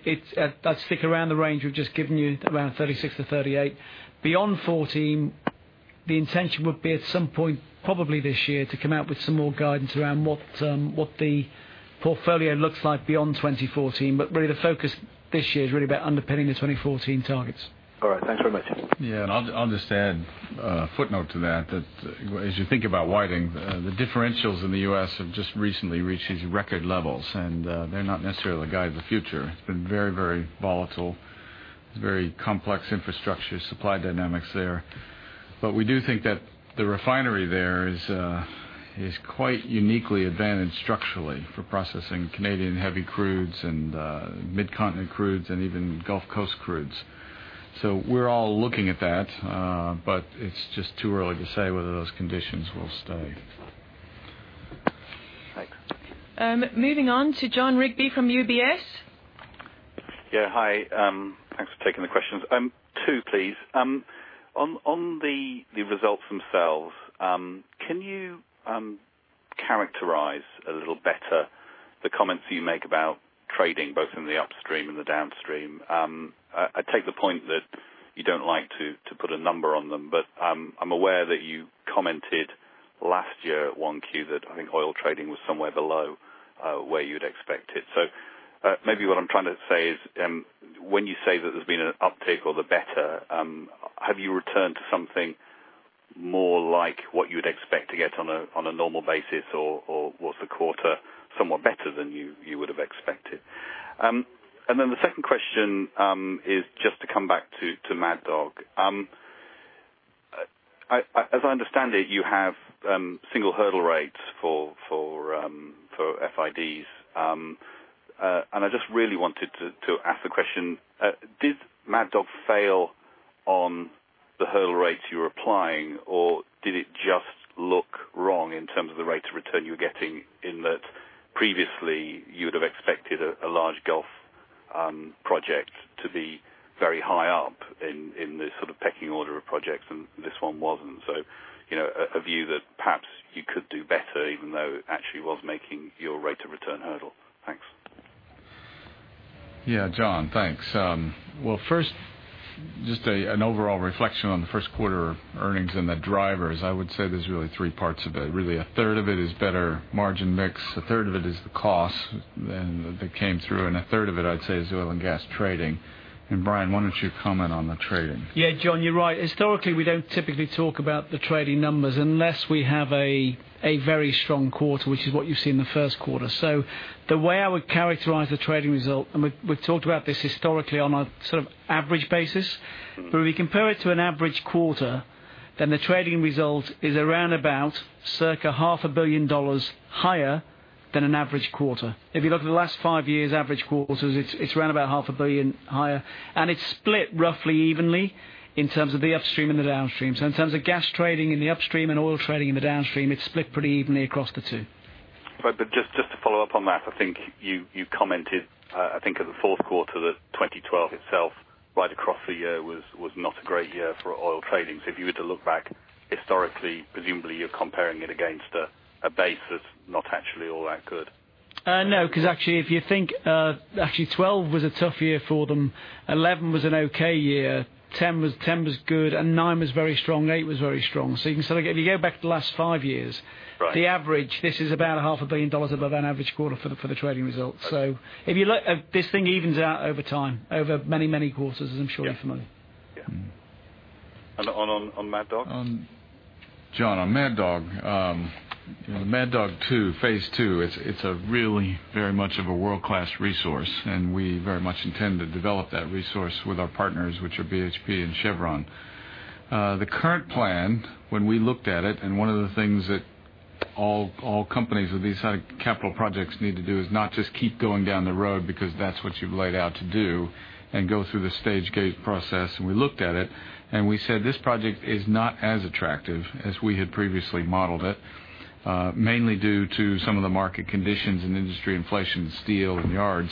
I'd stick around the range we've just given you, around 36%-38%. Beyond 2014, the intention would be at some point, probably this year, to come out with some more guidance around what the portfolio looks like beyond 2014. Really the focus this year is really about underpinning the 2014 targets. All right. Thanks very much. I'll just add a footnote to that as you think about Whiting, the differentials in the U.S. have just recently reached these record levels, and they're not necessarily a guide to the future. It's been very volatile. It's very complex infrastructure, supply dynamics there. We do think that the refinery there is quite uniquely advantaged structurally for processing Canadian heavy crudes and Mid-Continent crudes, and even Gulf Coast crudes. We're all looking at that. It's just too early to say whether those conditions will stay. Right. Moving on to Jon Rigby from UBS. Yeah, hi. Thanks for taking the questions. Two, please. On the results themselves, can you characterize a little better the comments you make about trading, both in the upstream and the downstream? I take the point that you don't like to put a number on them, but I'm aware that you commented last year at 1Q that, I think, oil trading was somewhere below where you'd expect it. Maybe what I'm trying to say is, when you say that there's been an uptick or the better, have you returned to something more like what you would expect to get on a normal basis, or was the quarter somewhat better than you would have expected? The second question is just to come back to Mad Dog. As I understand it, you have single hurdle rates for FIDs. I just really wanted to ask the question: did Mad Dog fail on the hurdle rates you were applying, or did it just look wrong in terms of the rates of return you were getting, in that previously you would have expected a large Gulf project to be very high up in the sort of pecking order of projects, and this one wasn't. A view that perhaps you could do better, even though it actually was making your rate of return hurdle. Thanks. Yeah, Jon. Thanks. Well, first, just an overall reflection on the first quarter earnings and the drivers. I would say there's really three parts of it. Really, a third of it is better margin mix, a third of it is the cost that came through, and a third of it, I'd say, is oil and gas trading. Brian, why don't you comment on the trading? Yeah, Jon, you're right. Historically, we don't typically talk about the trading numbers unless we have a very strong quarter, which is what you see in the first quarter. The way I would characterize the trading result, we've talked about this historically on a sort of average basis. Where we compare it to an average quarter, the trading result is around about circa half a billion dollars higher than an average quarter. If you look at the last five years' average quarters, it's around about half a billion higher. It's split roughly evenly in terms of the upstream and the downstream. In terms of gas trading in the upstream and oil trading in the downstream, it's split pretty evenly across the two. Right. Just to follow up on that, I think you commented, I think in the fourth quarter, that 2012 itself, right across the year, was not a great year for oil trading. If you were to look back historically, presumably you're comparing it against a base that's not actually all that good. No, because actually 2012 was a tough year for them. 2011 was an okay year. 2010 was good, 2009 was very strong. 2008 was very strong. If you go back to the last five years. Right The average, this is about a half a billion dollars above an average quarter for the trading results. This thing evens out over time, over many, many quarters, as I'm sure you're familiar. Yeah. On Mad Dog? Jon, on Mad Dog. Mad Dog 2, phase 2, it's a really very much of a world-class resource. We very much intend to develop that resource with our partners, which are BHP and Chevron. The current plan, when we looked at it, one of the things that all companies with these kind of capital projects need to do is not just keep going down the road because that's what you've laid out to do and go through the stage gate process. We looked at it and we said, this project is not as attractive as we had previously modeled it. Mainly due to some of the market conditions and industry inflation in steel and yards.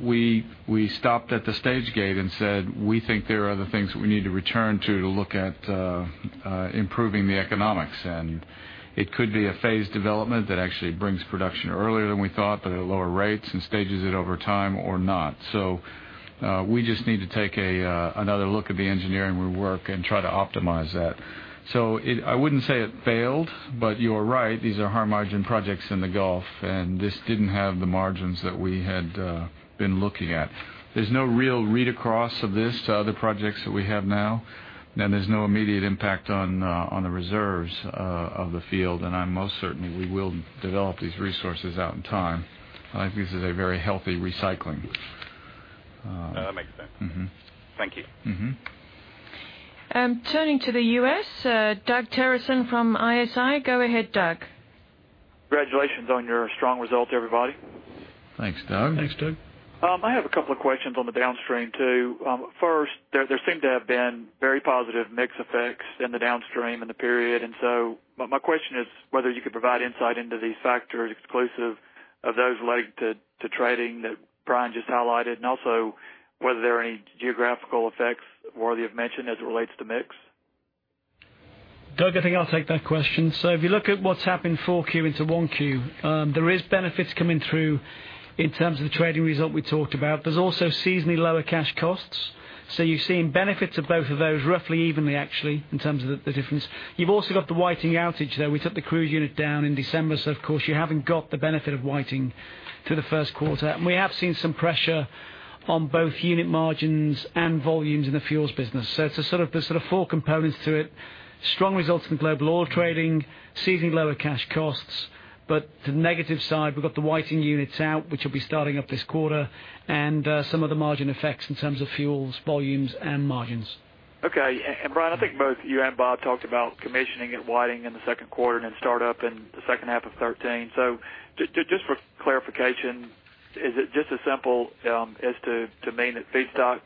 We stopped at the stage gate and said, we think there are other things that we need to return to to look at improving the economics. It could be a phased development that actually brings production earlier than we thought, but at lower rates and stages it over time or not. We just need to take another look at the engineering we work and try to optimize that. I wouldn't say it failed, you are right, these are high-margin projects in the Gulf, and this didn't have the margins that we had been looking at. There's no real read-across of this to other projects that we have now. There's no immediate impact on the reserves of the field. I'm most certain we will develop these resources out in time. I think this is a very healthy recycling. No, that makes sense. Thank you. Turning to the U.S., Doug Terreson from ISI. Go ahead, Doug. Congratulations on your strong results, everybody. Thanks, Doug. Thanks, Doug. I have a couple of questions on the downstream, too. First, there seem to have been very positive mix effects in the downstream in the period. My question is whether you could provide insight into these factors exclusive of those related to trading that Brian just highlighted, and also whether there are any geographical effects worthy of mention as it relates to mix? Doug, I think I'll take that question. If you look at what's happened 4Q into 1Q, there's benefits coming through in terms of the trading result we talked about. There's also seasonally lower cash costs. You're seeing benefits of both of those roughly evenly, actually, in terms of the difference. You've also got the Whiting outage, though. We took the crude unit down in December, so of course, you haven't got the benefit of Whiting through the first quarter. We have seen some pressure on both unit margins and volumes in the fuels business. There's sort of four components to it. Strong results from global oil trading, seasonally lower cash costs, but the negative side, we've got the Whiting units out, which will be starting up this quarter, and some of the margin effects in terms of fuels, volumes, and margins. Okay. Brian, I think both you and Bob talked about commissioning at Whiting in the second quarter and then startup in the second half of 2013. Just for clarification, is it just as simple as to mean that feedstock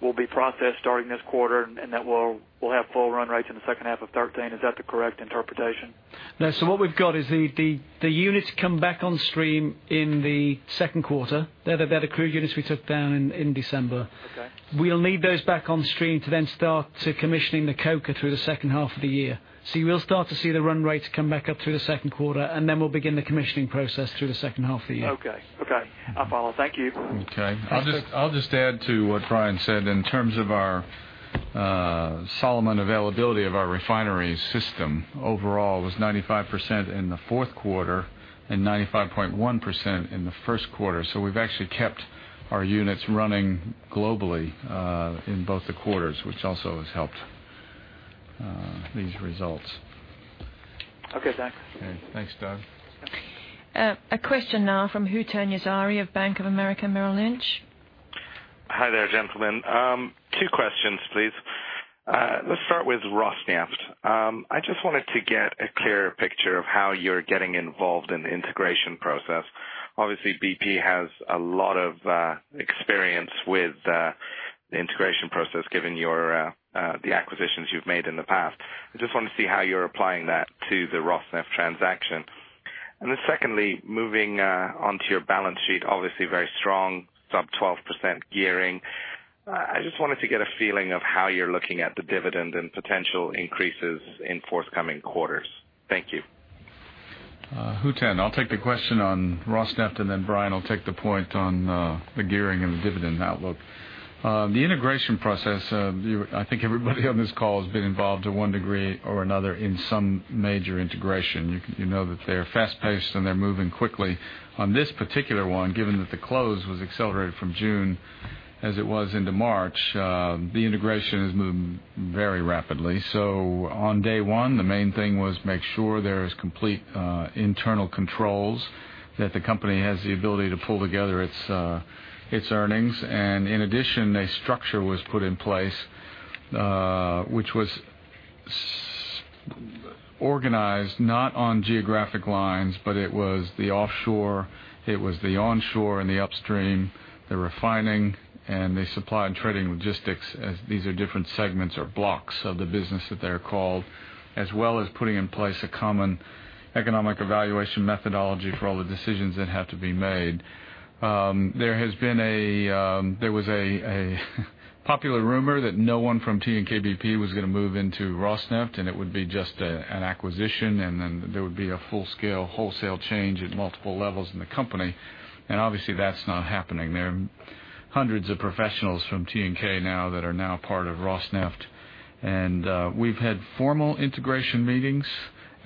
will be processed starting this quarter and that we'll have full run rates in the second half of 2013? Is that the correct interpretation? No. What we've got is the units come back on stream in the second quarter. They're the crude units we took down in December. Okay. We'll need those back on stream to then start commissioning the coker through the second half of the year. You will start to see the run rates come back up through the second quarter, and then we'll begin the commissioning process through the second half of the year. Okay. I'll follow. Thank you. Okay. I'll just add to what Brian said in terms of our Solomon availability of our refinery system overall was 95% in the fourth quarter and 95.1% in the first quarter. We've actually kept our units running globally, in both the quarters, which also has helped these results. Okay, thanks. Okay. Thanks, Doug. A question now from Hootan Yazhari of Bank of America Merrill Lynch. Hi there, gentlemen. Two questions, please. Let's start with Rosneft. I just wanted to get a clearer picture of how you're getting involved in the integration process. Obviously, BP has a lot of experience with the integration process, given the acquisitions you've made in the past. I just want to see how you're applying that to the Rosneft transaction. Secondly, moving onto your balance sheet, obviously very strong, sub 12% gearing. I just wanted to get a feeling of how you're looking at the dividend and potential increases in forthcoming quarters. Thank you. Hootan, I'll take the question on Rosneft. Brian will take the point on the gearing and the dividend outlook. The integration process, I think everybody on this call has been involved to one degree or another in some major integration. You know that they are fast-paced, and they're moving quickly. On this particular one, given that the close was accelerated from June as it was into March, the integration has moved very rapidly. On day one, the main thing was make sure there is complete internal controls, that the company has the ability to pull together its earnings. In addition, a structure was put in place, which was organized not on geographic lines, but it was the offshore, it was the onshore and the upstream, the refining, and the supply and trading logistics, as these are different segments or blocks of the business that they're called. As well as putting in place a common economic evaluation methodology for all the decisions that have to be made. There was a popular rumor that no one from TNK-BP was going to move into Rosneft, and it would be just an acquisition, then there would be a full-scale, wholesale change at multiple levels in the company. Obviously, that's not happening. There are hundreds of professionals from TNK now that are now part of Rosneft. We've had formal integration meetings,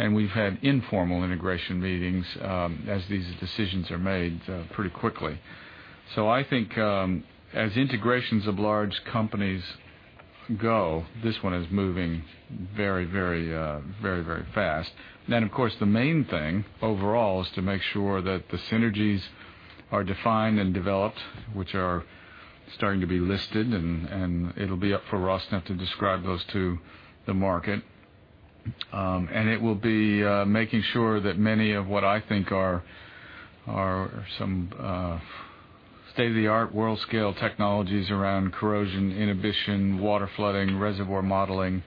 and we've had informal integration meetings, as these decisions are made pretty quickly. I think, as integrations of large companies go, this one is moving very fast. Then, of course, the main thing overall is to make sure that the synergies are defined and developed, which are starting to be listed, and it'll be up for Rosneft to describe those to the market. It will be making sure that many of what I think are some state-of-the-art world-scale technologies around corrosion inhibition, water flooding, reservoir modeling,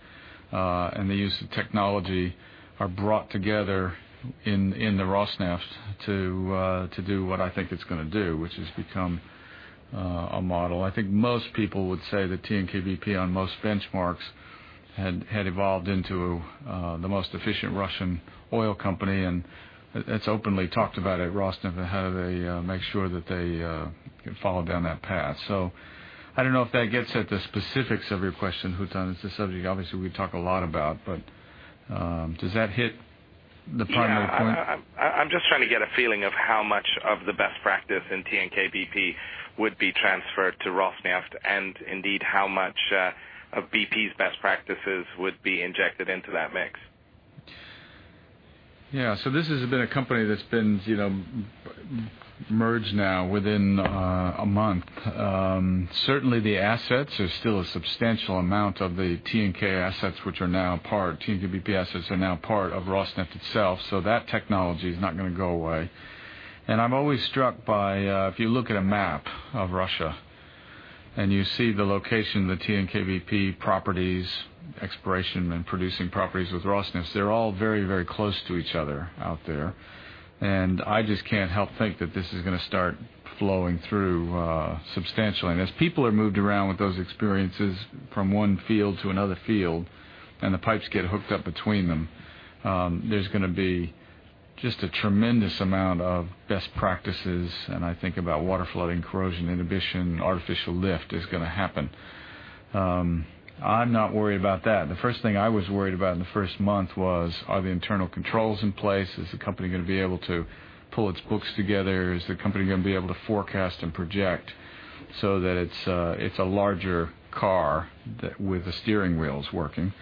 and the use of technology are brought together in the Rosneft to do what I think it's going to do, which is become a model. I think most people would say that TNK-BP on most benchmarks had evolved into the most efficient Russian oil company, and it's openly talked about at Rosneft how they make sure that they follow down that path. I don't know if that gets at the specifics of your question, Hootan. It's a subject obviously we talk a lot about, but does that hit the part of the point? Yeah. I'm just trying to get a feeling of how much of the best practice in TNK-BP would be transferred to Rosneft, and indeed how much of BP's best practices would be injected into that mix. Yeah. This has been a company that's been merged now within a month. Certainly, the assets are still a substantial amount of the TNK assets, which are now part TNK-BP assets, are now part of Rosneft itself. That technology is not going to go away. I'm always struck by, if you look at a map of Russia you see the location of the TNK-BP properties, exploration and producing properties with Rosneft. They're all very close to each other out there. I just can't help think that this is going to start flowing through substantially. As people are moved around with those experiences from one field to another field, and the pipes get hooked up between them, there's going to be just a tremendous amount of best practices, and I think about water flooding, corrosion inhibition, artificial lift is going to happen. I'm not worried about that. The first thing I was worried about in the first month was, are the internal controls in place? Is the company going to be able to pull its books together? Is the company going to be able to forecast and project so that it's a larger car with the steering wheels working?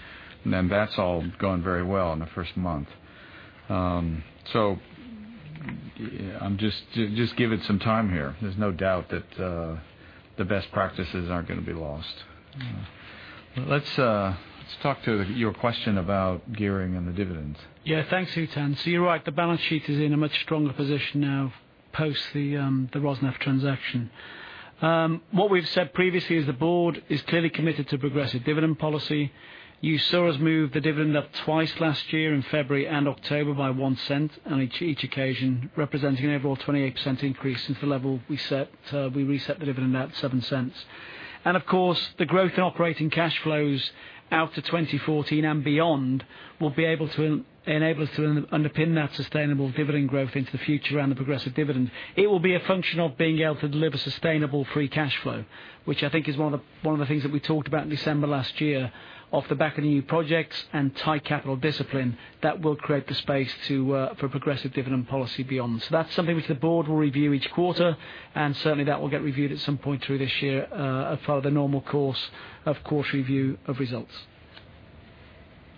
That's all gone very well in the first month. Just give it some time here. There's no doubt that the best practices aren't going to be lost. Let's talk to your question about gearing and the dividends. Yeah, thanks, Hootan. You're right. The balance sheet is in a much stronger position now, post the Rosneft transaction. What we've said previously is the board is clearly committed to progressive dividend policy. You saw us move the dividend up twice last year in February and October by $0.01, and at each occasion representing an overall 28% increase since the level we reset the dividend at $0.07. Of course, the growth in operating cash flows out to 2014 and beyond, will enable us to underpin that sustainable dividend growth into the future and the progressive dividend. It will be a function of being able to deliver sustainable free cash flow, which I think is one of the things that we talked about in December last year, off the back of the new projects and tight capital discipline that will create the space for progressive dividend policy beyond. That's something which the board will review each quarter, and certainly that will get reviewed at some point through this year, follow the normal course of course review of results.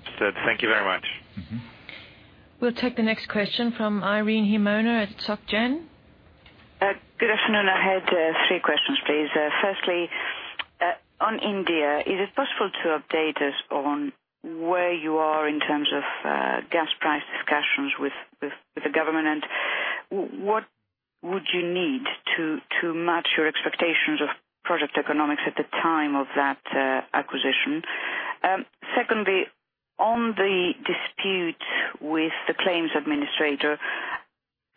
Understood. Thank you very much. We'll take the next question from Irene Himona at Societe Generale. Good afternoon. I had three questions, please. Firstly, on India, is it possible to update us on where you are in terms of gas price discussions with the government, and what would you need to match your expectations of project economics at the time of that acquisition? Secondly, on the dispute with the claims administrator,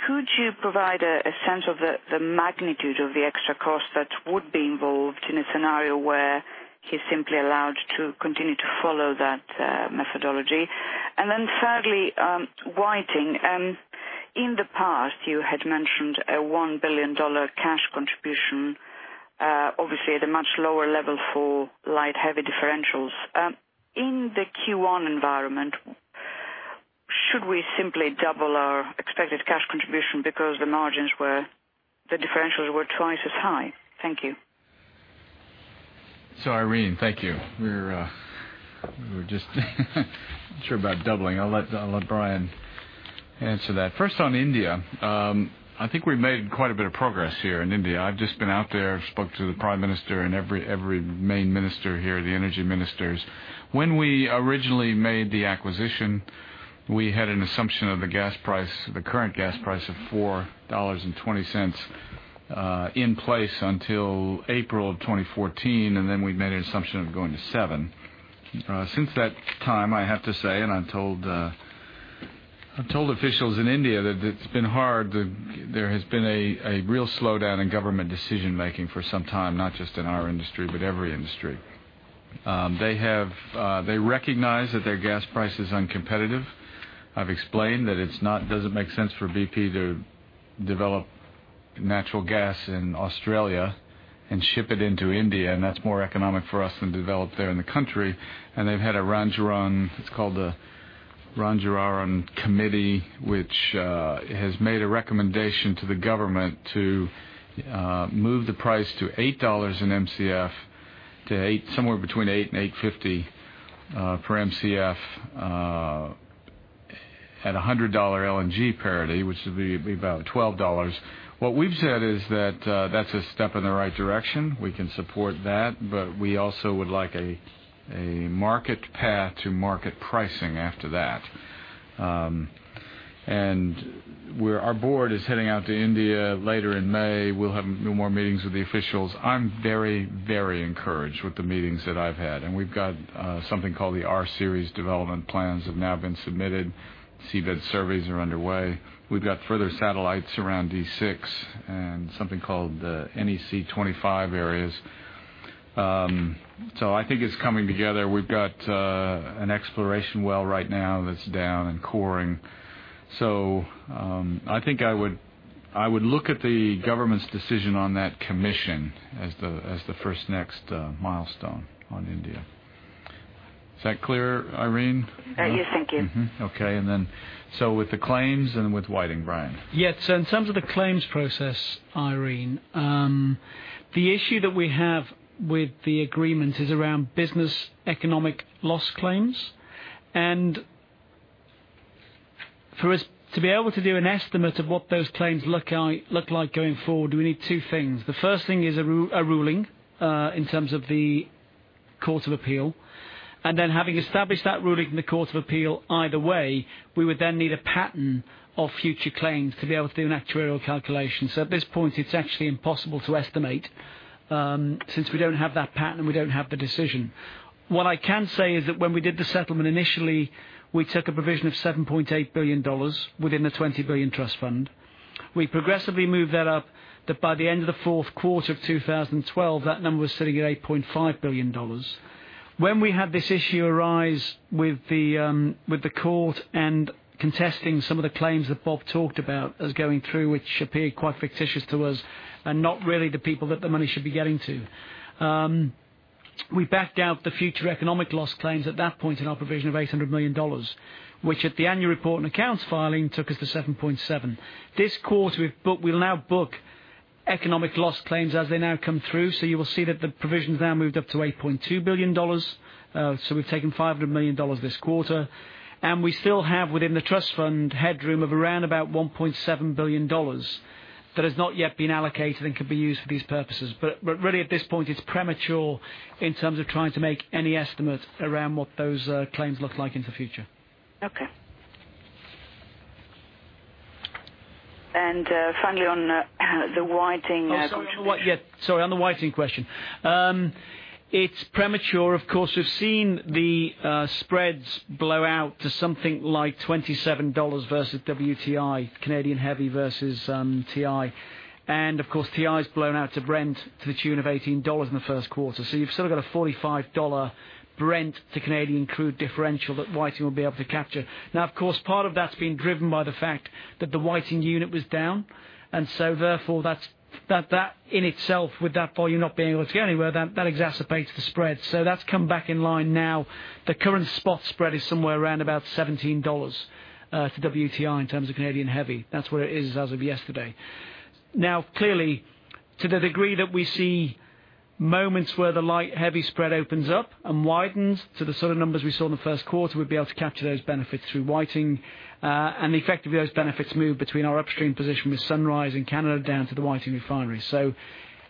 could you provide a sense of the magnitude of the extra cost that would be involved in a scenario where he's simply allowed to continue to follow that methodology? And thirdly, Whiting. In the past, you had mentioned a $1 billion cash contribution, obviously at a much lower level for light heavy differentials. In the Q1 environment, should we simply double our expected cash contribution because the margins where the differentials were twice as high? Thank you. Irene, thank you. We're not sure about doubling. I'll let Brian Gilvary answer that. First on India. I think we've made quite a bit of progress here in India. I've just been out there, spoke to the Prime Minister and every main minister here, the energy ministers. When we originally made the acquisition, we had an assumption of the current gas price of $4.20 in place until April of 2014, and then we made an assumption of going to $7. Since that time, I have to say, and I've told officials in India that it's been hard. There has been a real slowdown in government decision-making for some time, not just in our industry, but every industry. They recognize that their gas price is uncompetitive. I've explained that it doesn't make sense for BP to develop natural gas in Australia and ship it into India, and that's more economic for us than developed there in the country. They've had a Rangarajan, it's called the Rangarajan Committee, which has made a recommendation to the government to move the price to $8 an MCF to somewhere between $8 and $8.50, for MCF, at $100 LNG parity, which would be about $12. What we've said is that's a step in the right direction. We can support that, but we also would like a market path to market pricing after that. Our board is heading out to India later in May. We'll have more meetings with the officials. I'm very encouraged with the meetings that I've had, and we've got something called the R-series development plans have now been submitted. Seabed surveys are underway. We've got further satellites around D6 and something called the NEC-25 areas. I think it's coming together. We've got an exploration well right now that's down and coring. I think I would look at the government's decision on that commission as the first next milestone on India. Is that clear, Irene? Yes, thank you. Okay. With the claims and with Whiting, Brian. In terms of the claims process, Irene, the issue that we have with the agreement is around business economic loss claims. For us to be able to do an estimate of what those claims look like going forward, we need two things. The first thing is a ruling, in terms of the Court of Appeal. Having established that ruling in the Court of Appeal, either way, we would then need a pattern of future claims to be able to do an actuarial calculation. At this point, it's actually impossible to estimate, since we don't have that pattern, we don't have the decision. What I can say is that when we did the settlement, initially, we took a provision of $7.8 billion within the $20 billion trust fund. We progressively moved that up, that by the end of the fourth quarter of 2012, that number was sitting at $8.5 billion. When we had this issue arise with the court and contesting some of the claims that Bob talked about as going through, which appeared quite fictitious to us and not really the people that the money should be getting to. We backed out the future economic loss claims at that point in our provision of $800 million, which at the annual report and accounts filing, took us to $7.7 billion. This quarter, we'll now book economic loss claims as they now come through. You will see that the provision's now moved up to $8.2 billion. We've taken $500 million this quarter, and we still have within the trust fund headroom of around about $1.7 billion that has not yet been allocated and can be used for these purposes. Really at this point, it's premature in terms of trying to make any estimate around what those claims look like in the future. Okay. Finally, on the Whiting Oh, sorry. On the Whiting question. It's premature. Of course, we've seen the spreads blow out to something like $27 versus WTI, Canadian heavy versus WTI. Of course, WTI's blown out to Brent to the tune of $18 in the first quarter. You've still got a $45 Brent to Canadian crude differential that Whiting will be able to capture. Now, of course, part of that's been driven by the fact that the Whiting unit was down, therefore that in itself, with that volume not being able to go anywhere, that exacerbates the spread. That's come back in line now. The current spot spread is somewhere around about $17 to WTI in terms of Canadian heavy. That's where it is as of yesterday. Now clearly, to the degree that we see moments where the light heavy spread opens up and widens to the sort of numbers we saw in the first quarter, we'd be able to capture those benefits through Whiting. Effectively those benefits move between our upstream position with Sunrise in Canada down to the Whiting refinery.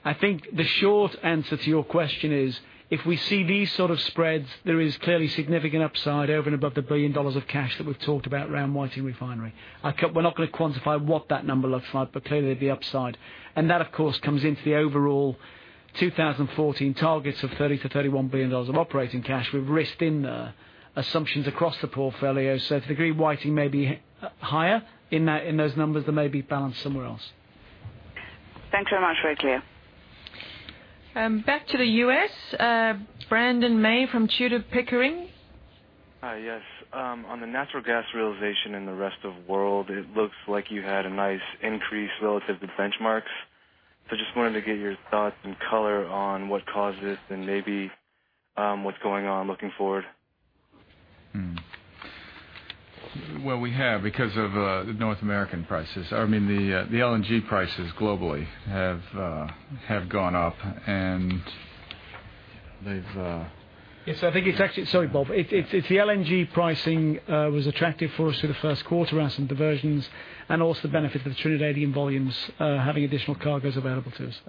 I think the short answer to your question is, if we see these sort of spreads, there is clearly significant upside over and above the $1 billion of cash that we've talked about around Whiting Refinery. We're not going to quantify what that number looks like, but clearly there'd be upside. That, of course, comes into the overall 2014 targets of $30 billion-$31 billion of operating cash. We've risked in the assumptions across the portfolio. To the degree Whiting may be higher in those numbers, there may be balance somewhere else. Thanks very much. Very clear. Back to the U.S., Brandon May from Tudor, Pickering. Hi, yes. On the natural gas realization in the rest of world, it looks like you had a nice increase relative to benchmarks. Just wanted to get your thoughts and color on what caused this and maybe what's going on looking forward. Well, we have, because of the North American prices. I mean, the LNG prices globally have gone up, and they've. Yes, I think Sorry, Bob. It's the LNG pricing was attractive for us through the first quarter as some diversions, and also the benefit of the Trinidadian volumes having additional cargoes available to us.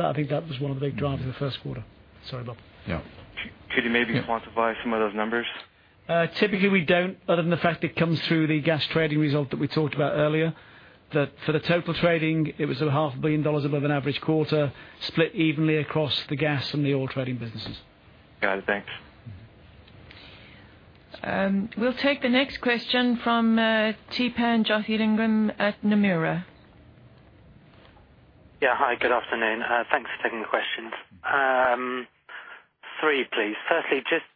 I think that was one of the big drivers in the first quarter. Sorry, Bob. Yeah. Could you maybe quantify some of those numbers? Typically, we don't, other than the fact it comes through the gas trading result that we talked about earlier. That for the total trading, it was at a half a billion dollars above an average quarter, split evenly across the gas and the oil trading businesses. Got it. Thanks. We'll take the next question from Theepan Jothilingam at Nomura. Yeah. Hi, good afternoon. Thanks for taking the questions. Three, please. Firstly, just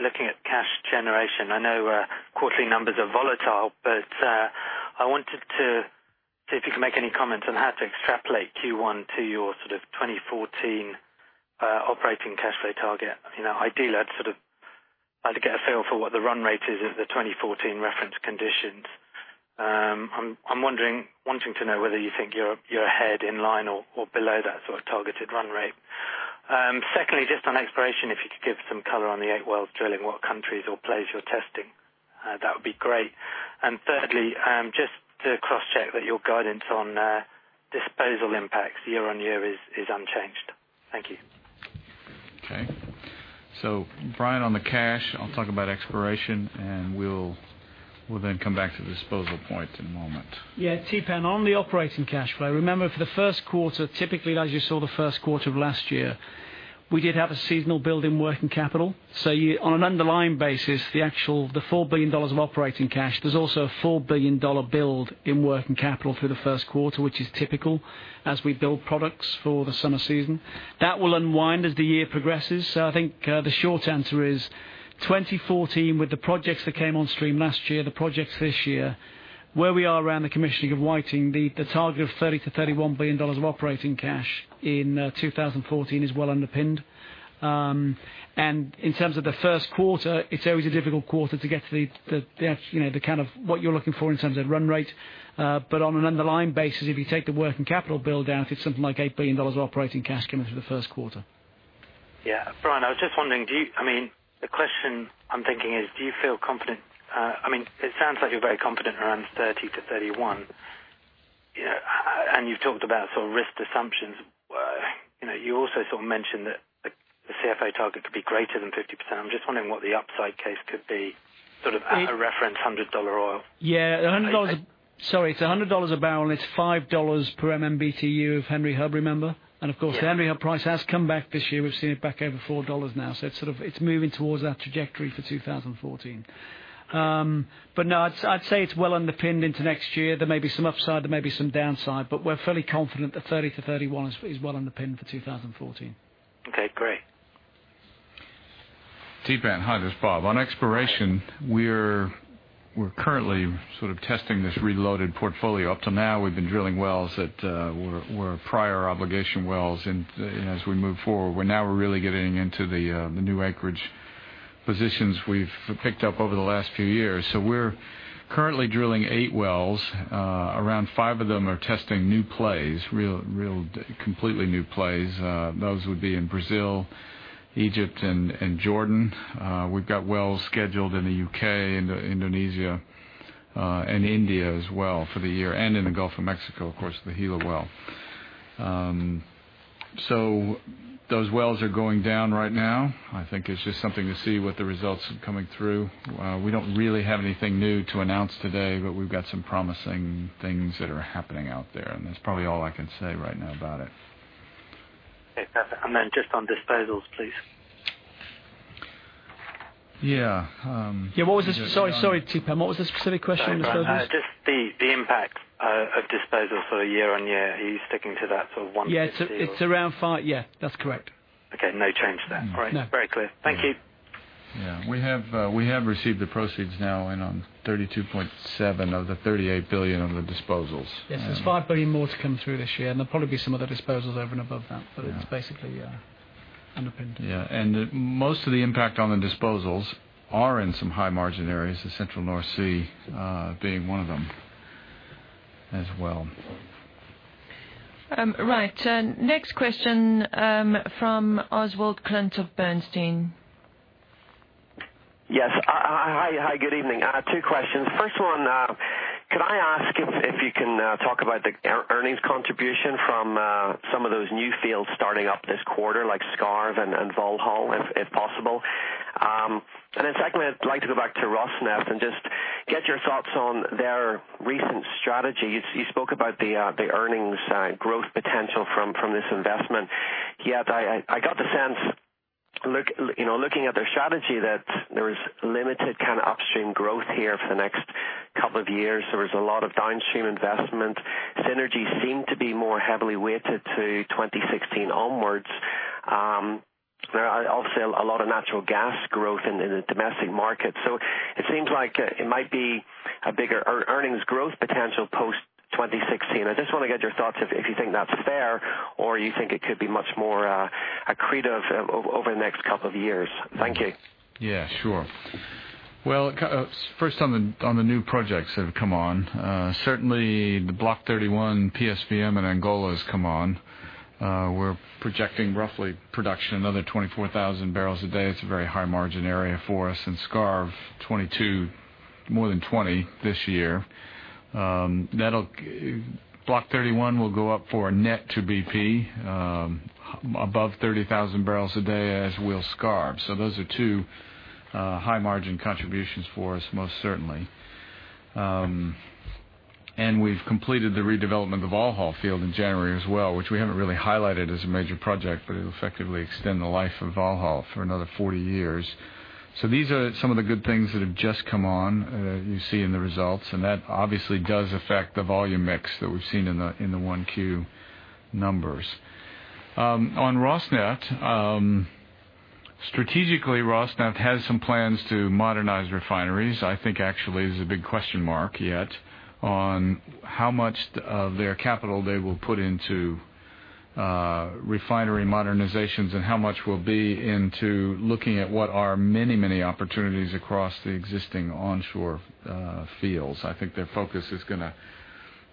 looking at cash generation. I know quarterly numbers are volatile, but I wanted to see if you can make any comments on how to extrapolate Q1 to your sort of 2014 operating cash flow target. Ideally, I'd like to get a feel for what the run rate is at the 2014 reference conditions. I'm wanting to know whether you think you're ahead, in line, or below that sort of targeted run rate. Secondly, just on exploration, if you could give some color on the eight wells drilling, what countries or plays you're testing. That would be great. Thirdly, just to cross-check that your guidance on disposal impacts year-on-year is unchanged. Thank you. Okay. Brian, on the cash. I'll talk about exploration, we'll then come back to the disposal point in a moment. Yeah. Theepan, on the operating cash flow. Remember, for the first quarter, typically, as you saw the first quarter of last year, we did have a seasonal build in working capital. On an underlying basis, the actual $4 billion of operating cash, there's also a $4 billion build in working capital through the first quarter, which is typical as we build products for the summer season. That will unwind as the year progresses. I think the short answer is 2014, with the projects that came on stream last year, the projects this year, where we are around the commissioning of Whiting, the target of $30 billion-$31 billion of operating cash in 2014 is well underpinned. In terms of the first quarter, it's always a difficult quarter to get to the kind of what you're looking for in terms of run rate. On an underlying basis, if you take the working capital build out, it's something like $8 billion of operating cash coming through the first quarter. Yeah. Brian, I was just wondering, the question I'm thinking is, do you feel confident? It sounds like you're very confident around 30 to 31. You've talked about risk assumptions. You also sort of mentioned that the CFA target could be greater than 50%. I'm just wondering what the upside case could be, sort of at a reference $100 oil. Yeah. Sorry, it's $100 a barrel, it's $5 per MMBtu of Henry Hub, remember? Yeah. Of course, the Henry Hub price has come back this year. We've seen it back over $4 now. It's moving towards that trajectory for 2014. No, I'd say it's well underpinned into next year. There may be some upside, there may be some downside, but we're fairly confident that 30 to 31 is well underpinned for 2014. Okay, great. Theepan, hi, this is Bob. On exploration, we're currently sort of testing this reloaded portfolio. Up till now, we've been drilling wells that were prior obligation wells. As we move forward, now we're really getting into the new acreage positions we've picked up over the last few years. We're currently drilling eight wells. Around five of them are testing new plays, real completely new plays. Those would be in Brazil, Egypt, and Jordan. We've got wells scheduled in the U.K., Indonesia, and India as well for the year. In the Gulf of Mexico, of course, the Gila well. Those wells are going down right now. I think it's just something to see what the results are coming through. We don't really have anything new to announce today, but we've got some promising things that are happening out there, and that's probably all I can say right now about it. Okay, perfect. Then just on disposals, please. Yeah. Sorry, Theepan, what was the specific question on disposals? Just the impact of disposal for year-over-year. Are you sticking to that sort of $150 or- Yeah, it's around $5. Yeah, that's correct. Okay, no change to that. Great. No. Very clear. Thank you. Yeah. We have received the proceeds now in on $32.7 of the $38 billion on the disposals. Yes, there's $5 billion more to come through this year, and there'll probably be some other disposals over and above that. Yeah. It's basically underpinned. Yeah. Most of the impact on the disposals are in some high-margin areas, the Central North Sea being one of them as well. Right. Next question from Oswald Clint of Bernstein. Yes. Hi, good evening. I have two questions. First one, could I ask if you can talk about the earnings contribution from some of those new fields starting up this quarter, like Skarv and Valhall, if possible? Secondly, I'd like to go back to Rosneft and just get your thoughts on their recent strategy. You spoke about the earnings growth potential from this investment. I got the sense, looking at their strategy, that there is limited kind of upstream growth here for the next couple of years. There is a lot of downstream investment. Synergy seem to be more heavily weighted to 2016 onwards. There are also a lot of natural gas growth in the domestic market. It seems like it might be a bigger earnings growth potential post-2016. I just want to get your thoughts if you think that's fair, or you think it could be much more accretive over the next couple of years. Thank you. Yeah, sure. Well, first on the new projects that have come on. Certainly the Block 31, PSVM in Angola has come on. We're projecting roughly production, another 24,000 barrels a day. It's a very high-margin area for us. In Skarv, 22, more than 20 this year. Block 31 will go up for a net to BP above 30,000 barrels a day, as will Skarv. Those are two high-margin contributions for us, most certainly. We've completed the redevelopment of Valhall field in January as well, which we haven't really highlighted as a major project, but it'll effectively extend the life of Valhall for another 40 years. These are some of the good things that have just come on. You see in the results, that obviously does affect the volume mix that we've seen in the 1Q numbers. On Rosneft, strategically, Rosneft has some plans to modernize refineries. I think actually there's a big question mark yet on how much of their capital they will put into refinery modernizations and how much will be into looking at what are many, many opportunities across the existing onshore fields. I think their focus is going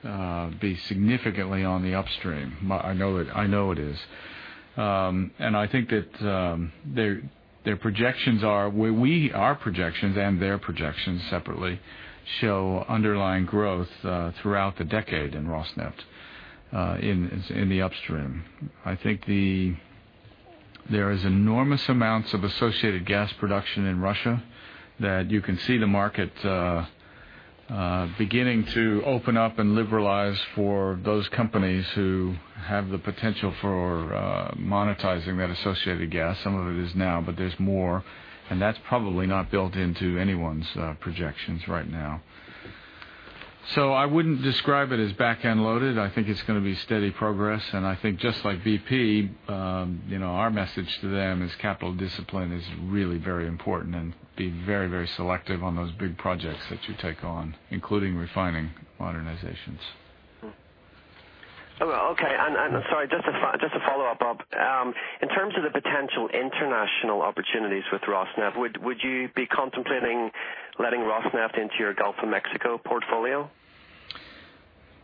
to be significantly on the upstream. I know it is. I think that our projections and their projections separately show underlying growth throughout the decade in Rosneft in the upstream. I think there is enormous amounts of associated gas production in Russia that you can see the market beginning to open up and liberalize for those companies who have the potential for monetizing that associated gas. Some of it is now, but there's more, and that's probably not built into anyone's projections right now. I wouldn't describe it as back-end loaded. I think it's going to be steady progress, and I think just like BP, our message to them is capital discipline is really very important and be very, very selective on those big projects that you take on, including refining modernizations. Okay. Sorry, just to follow up, Rob. In terms of the potential international opportunities with Rosneft, would you be contemplating letting Rosneft into your Gulf of Mexico portfolio?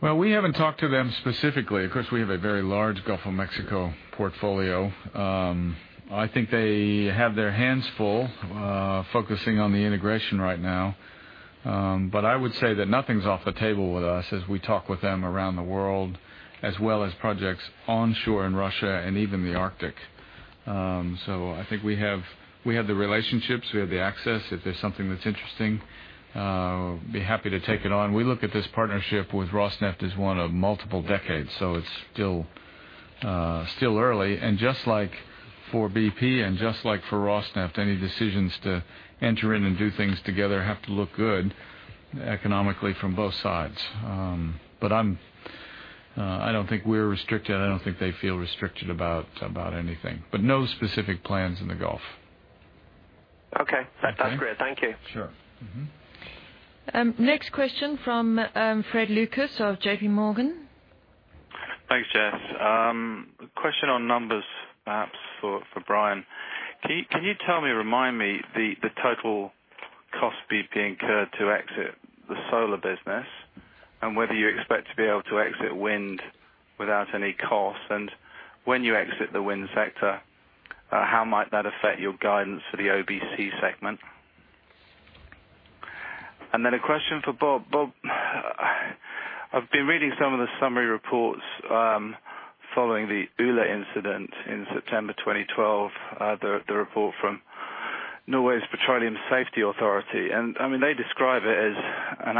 Well, we haven't talked to them specifically. Of course, we have a very large Gulf of Mexico portfolio. I think they have their hands full focusing on the integration right now. I would say that nothing's off the table with us as we talk with them around the world, as well as projects onshore in Russia and even the Arctic. I think we have the relationships, we have the access. If there's something that's interesting, be happy to take it on. We look at this partnership with Rosneft as one of multiple decades, so it's still early. Just like for BP and just like for Rosneft, any decisions to enter in and do things together have to look good economically from both sides. I don't think we're restricted, I don't think they feel restricted about anything. But no specific plans in the Gulf. Okay. Okay. That's great. Thank you. Sure. Next question from Fred Lucas of JP Morgan. Thanks, Jess. Question on numbers perhaps for Brian. Can you tell me or remind me the total cost BP incurred to exit the solar business? Whether you expect to be able to exit wind without any cost, and when you exit the wind sector, how might that affect your guidance for the OBC segment? A question for Bob. Bob, I've been reading some of the summary reports following the Ula incident in September 2012, the report from Norway's Petroleum Safety Authority. They describe it as an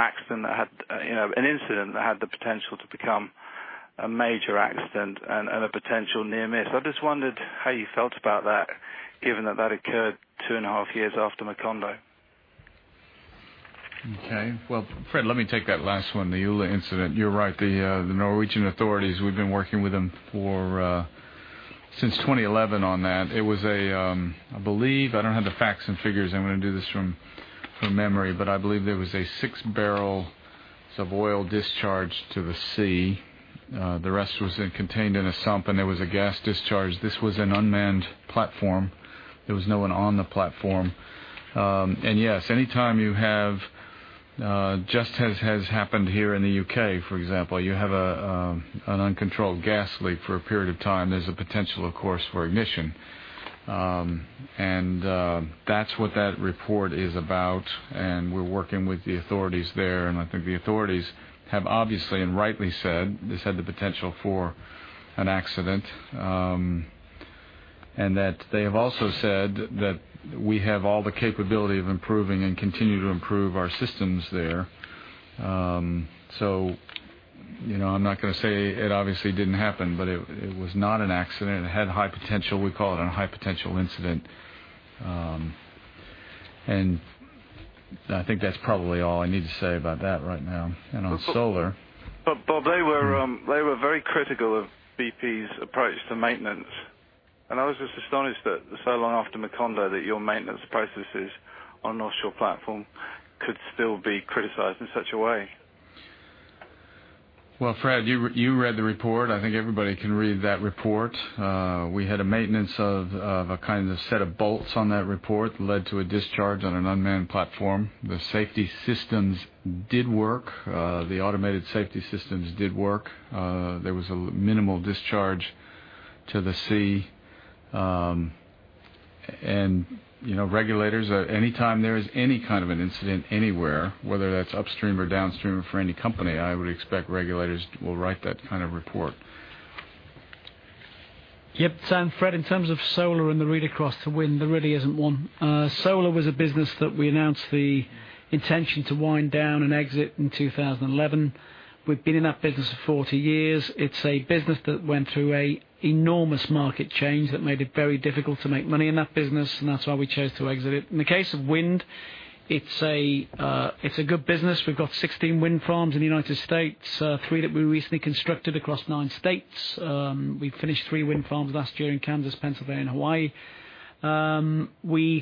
incident that had the potential to become a major accident and a potential near miss. I just wondered how you felt about that, given that that occurred two and a half years after Macondo. Okay. Well, Fred, let me take that last one, the Ula incident. You're right, the Norwegian authorities, we've been working with them since 2011 on that. I believe, I don't have the facts and figures, I'm going to do this from memory, but I believe there was a six barrels of oil discharged to the sea. The rest was then contained in a sump, and there was a gas discharge. This was an unmanned platform. There was no one on the platform. Yes, anytime you have, just as has happened here in the U.K., for example, you have an uncontrolled gas leak for a period of time, there's a potential, of course, for ignition. That's what that report is about, and we're working with the authorities there. I think the authorities have obviously and rightly said this had the potential for an accident. They have also said that we have all the capability of improving and continue to improve our systems there. I'm not going to say it obviously didn't happen, but it was not an accident. It had high potential. We call it a high potential incident. I think that's probably all I need to say about that right now. On solar- Bob, they were very critical of BP's approach to maintenance. I was just astonished that so long after Macondo, that your maintenance processes on an offshore platform could still be criticized in such a way. Well, Fred, you read the report. I think everybody can read that report. We had a maintenance of a kind of set of bolts on that report led to a discharge on an unmanned platform. The safety systems did work. The automated safety systems did work. There was a minimal discharge to the sea. Regulators, anytime there is any kind of an incident anywhere, whether that's upstream or downstream for any company, I would expect regulators will write that kind of report. Yep. Fred, in terms of solar and the read across to wind, there really isn't one. Solar was a business that we announced the intention to wind down and exit in 2011. We've been in that business for 40 years. It's a business that went through an enormous market change that made it very difficult to make money in that business, and that's why we chose to exit it. In the case of wind, it's a good business. We've got 16 wind farms in the U.S., three that we recently constructed across nine states. We finished three wind farms last year in Kansas, Pennsylvania, and Hawaii. When we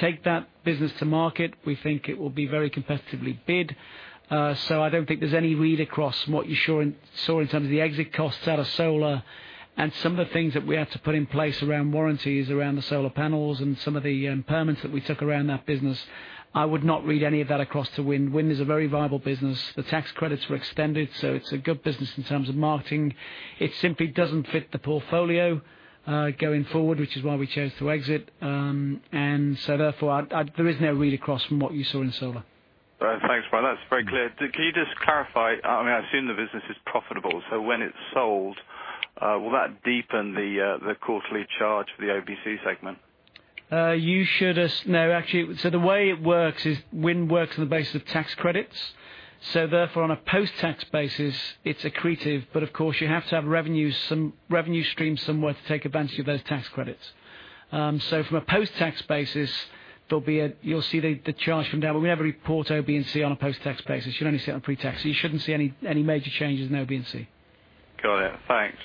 take that business to market, we think it will be very competitively bid. I don't think there's any read across from what you saw in terms of the exit costs out of solar and some of the things that we had to put in place around warranties around the solar panels and some of the impermanence that we took around that business. I would not read any of that across to wind. Wind is a very viable business. The tax credits were extended, so it's a good business in terms of marketing. It simply doesn't fit the portfolio going forward, which is why we chose to exit. Therefore, there is no read across from what you saw in solar. Thanks, Brian. That's very clear. Can you just clarify, I assume the business is profitable, so when it's sold, will that deepen the quarterly charge for the OBC segment? No. Actually, the way it works is wind works on the basis of tax credits. Therefore, on a post-tax basis, it's accretive, but of course you have to have revenue streams somewhere to take advantage of those tax credits. From a post-tax basis, you'll see the charge from that. We never report OB and C on a post-tax basis. You only see it on pre-tax. You shouldn't see any major changes in OB and C. Got it. Thanks.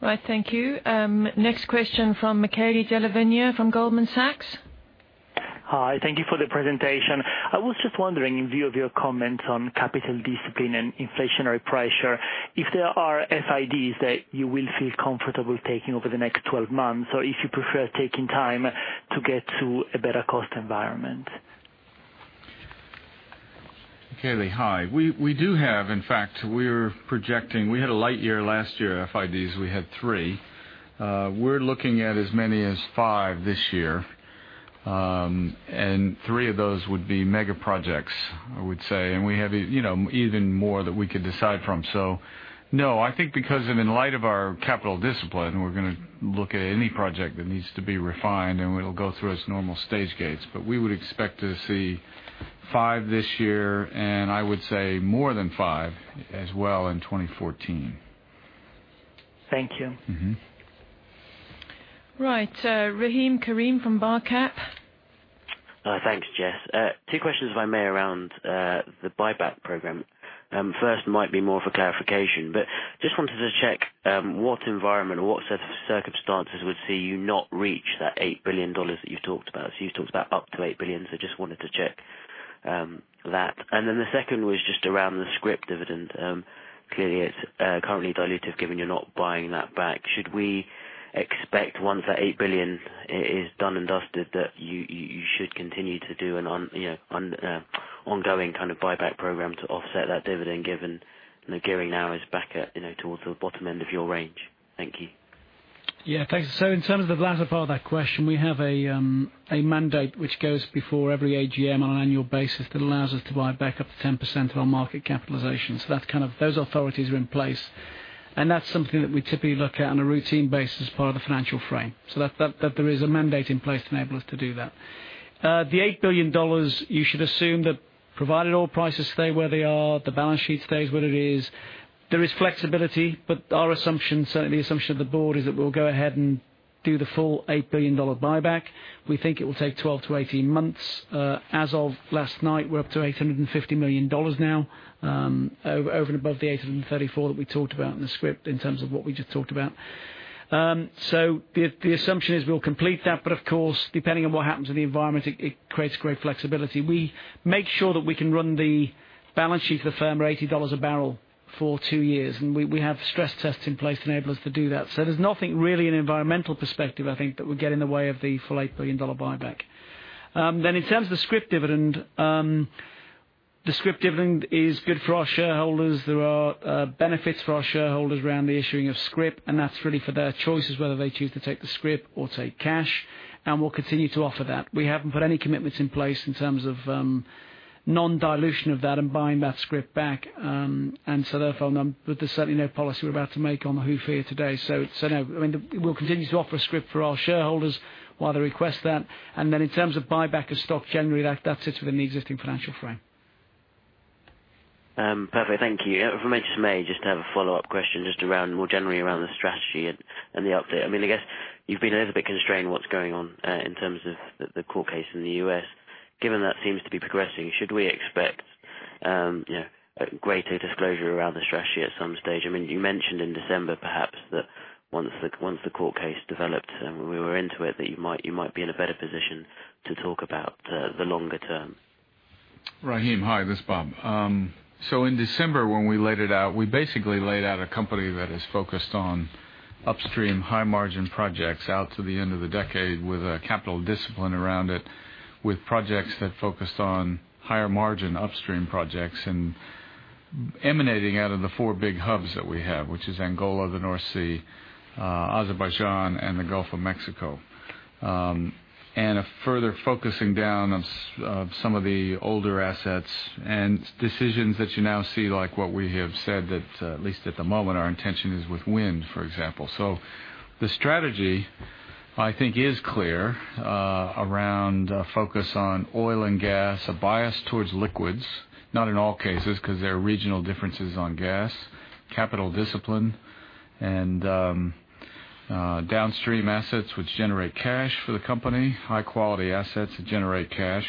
Right. Thank you. Next question from Michele Della Vigna from Goldman Sachs. Hi. Thank you for the presentation. I was just wondering, in view of your comments on capital discipline and inflationary pressure, if there are FIDs that you will feel comfortable taking over the next 12 months, or if you prefer taking time to get to a better cost environment? Chele, hi. We do have, in fact, we had a light year last year, FIDs, we had three. We're looking at as many as five this year. Three of those would be mega projects, I would say. We have even more that we could decide from. No, I think because in light of our capital discipline, we're going to look at any project that needs to be refined, and it'll go through its normal stage gates. We would expect to see five this year, and I would say more than five as well in 2014. Thank you. Right. Rahim Karim from Barcap. Thanks, Jess. Two questions, if I may, around the buyback program. First might be more for clarification, just wanted to check what environment or what set of circumstances would see you not reach that $8 billion that you've talked about. You've talked about up to $8 billion. Just wanted to check that. The second was just around the scrip dividend. Clearly, it's currently diluted, given you're not buying that back. Should we expect once that $8 billion is done and dusted, that you should continue to do an ongoing buyback program to offset that dividend, given gearing now is back towards the bottom end of your range? Thank you. Thanks. In terms of the latter part of that question, we have a mandate which goes before every AGM on an annual basis that allows us to buy back up to 10% of our market capitalization. Those authorities are in place, and that's something that we typically look at on a routine basis as part of the financial frame. There is a mandate in place to enable us to do that. The $8 billion, you should assume that provided oil prices stay where they are, the balance sheet stays where it is. There is flexibility, but our assumption, certainly the assumption of the board, is that we'll go ahead and do the full $8 billion buyback. We think it will take 12 to 18 months. As of last night, we're up to $850 million now, over and above the 834 that we talked about in the scrip in terms of what we just talked about. The assumption is we'll complete that, of course, depending on what happens in the environment, it creates great flexibility. We make sure that we can run the balance sheet of the firm at $80 a barrel for two years. We have stress tests in place to enable us to do that. There's nothing really in an environmental perspective, I think, that would get in the way of the full $8 billion buyback. In terms of the scrip dividend, the scrip dividend is good for our shareholders. There are benefits for our shareholders around the issuing of scrip, that's really for their choices, whether they choose to take the scrip or take cash, and we'll continue to offer that. We haven't put any commitments in place in terms of non-dilution of that and buying that scrip back. There's certainly no policy we're about to make on the WHO fear today. No, we'll continue to offer a scrip for our shareholders while they request that. In terms of buyback of stock, generally, that's it within the existing financial frame. Perfect. Thank you. If I may just have a follow-up question, just more generally around the strategy and the update. I guess you've been a little bit constrained on what's going on in terms of the court case in the U.S. Given that seems to be progressing, should we expect greater disclosure around the strategy at some stage? You mentioned in December, perhaps, that once the court case developed and we were into it, that you might be in a better position to talk about the longer term. Rahim, hi. This is Bob. In December, when we laid it out, we basically laid out a company that is focused on upstream high-margin projects out to the end of the decade with a capital discipline around it, with projects that focused on higher margin upstream projects and emanating out of the four big hubs that we have, which is Angola, the North Sea, Azerbaijan, and the Gulf of Mexico. A further focusing down of some of the older assets and decisions that you now see, like what we have said that, at least at the moment, our intention is with wind, for example. The strategy, I think, is clear around a focus on oil and gas, a bias towards liquids, not in all cases, because there are regional differences on gas, capital discipline, and downstream assets which generate cash for the company, high-quality assets that generate cash.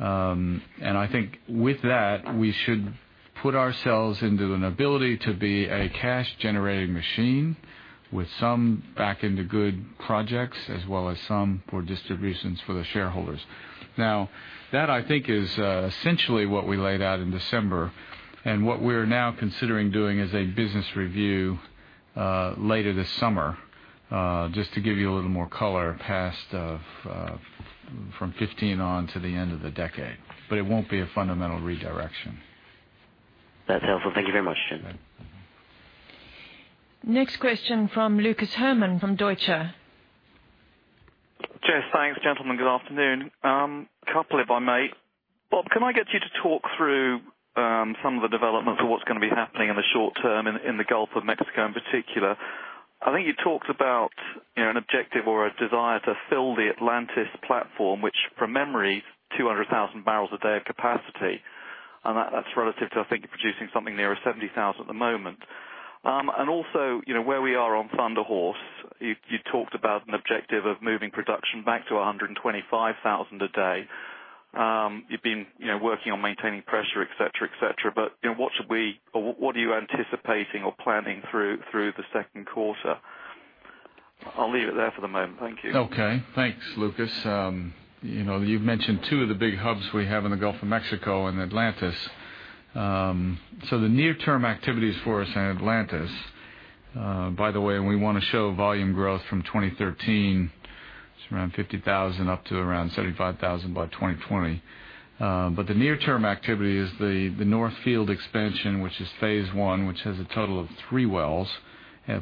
I think with that, we should put ourselves into an ability to be a cash-generating machine with some back into good projects as well as some for distributions for the shareholders. That I think is essentially what we laid out in December, and what we're now considering doing is a business review later this summer. Just to give you a little more color, from 2015 on to the end of the decade. It won't be a fundamental redirection. That's helpful. Thank you very much. Next question from Lucas Herrmann from Deutsche. Jess, thanks. Gentlemen, good afternoon. A couple if I may. Bob, can I get you to talk through some of the developments of what's going to be happening in the short term in the Gulf of Mexico in particular? I think you talked about an objective or a desire to fill the Atlantis platform, which from memory is 200,000 barrels a day of capacity. That's relative to, I think, you're producing something nearer 70,000 at the moment. Also, where we are on Thunder Horse. You talked about an objective of moving production back to 125,000 a day. You've been working on maintaining pressure, et cetera. What are you anticipating or planning through the second quarter? I'll leave it there for the moment. Thank you. Okay. Thanks, Lucas. You've mentioned two of the big hubs we have in the Gulf of Mexico and Atlantis. The near-term activities for us in Atlantis, by the way, we want to show volume growth from 2013. It's around 50,000 up to around 75,000 by 2020. The near-term activity is the North Field expansion, which is phase 1, which has a total of 3 wells,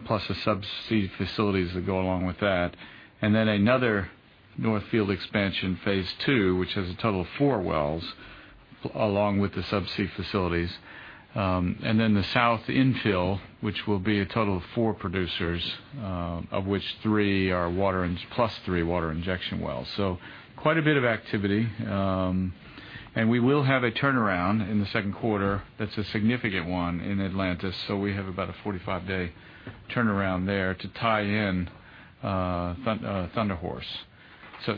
plus the subsea facilities that go along with that. Then another North Field expansion phase 2, which has a total of 4 wells along with the subsea facilities. Then the south infill, which will be a total of 4 producers, of which 3 are water, plus 3 water injection wells. Quite a bit of activity. We will have a turnaround in the second quarter that's a significant one in Atlantis. We have about a 45-day turnaround there to tie in Thunder Horse.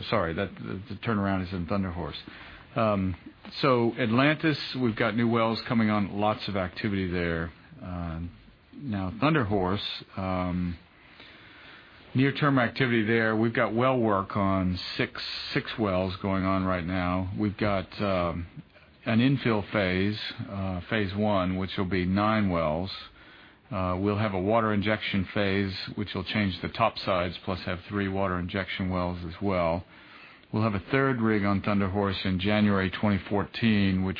Sorry, the turnaround is in Thunder Horse. Atlantis, we've got new wells coming on, lots of activity there. Now, Thunder Horse, near-term activity there. We've got well work on 6 wells going on right now. We've got an infill phase 1, which will be 9 wells. We'll have a water injection phase, which will change the top sides, plus have 3 water injection wells as well. We'll have a third rig on Thunder Horse in January 2014, which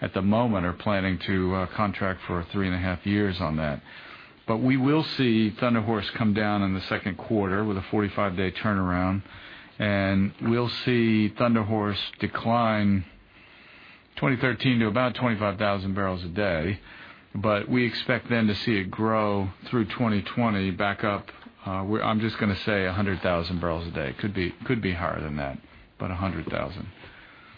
at the moment, are planning to contract for three and a half years on that. We will see Thunder Horse come down in the second quarter with a 45-day turnaround. We'll see Thunder Horse decline 2013 to about 25,000 barrels a day. We expect then to see it grow through 2020 back up, I'm just going to say 100,000 barrels a day. Could be higher than that, but 100,000.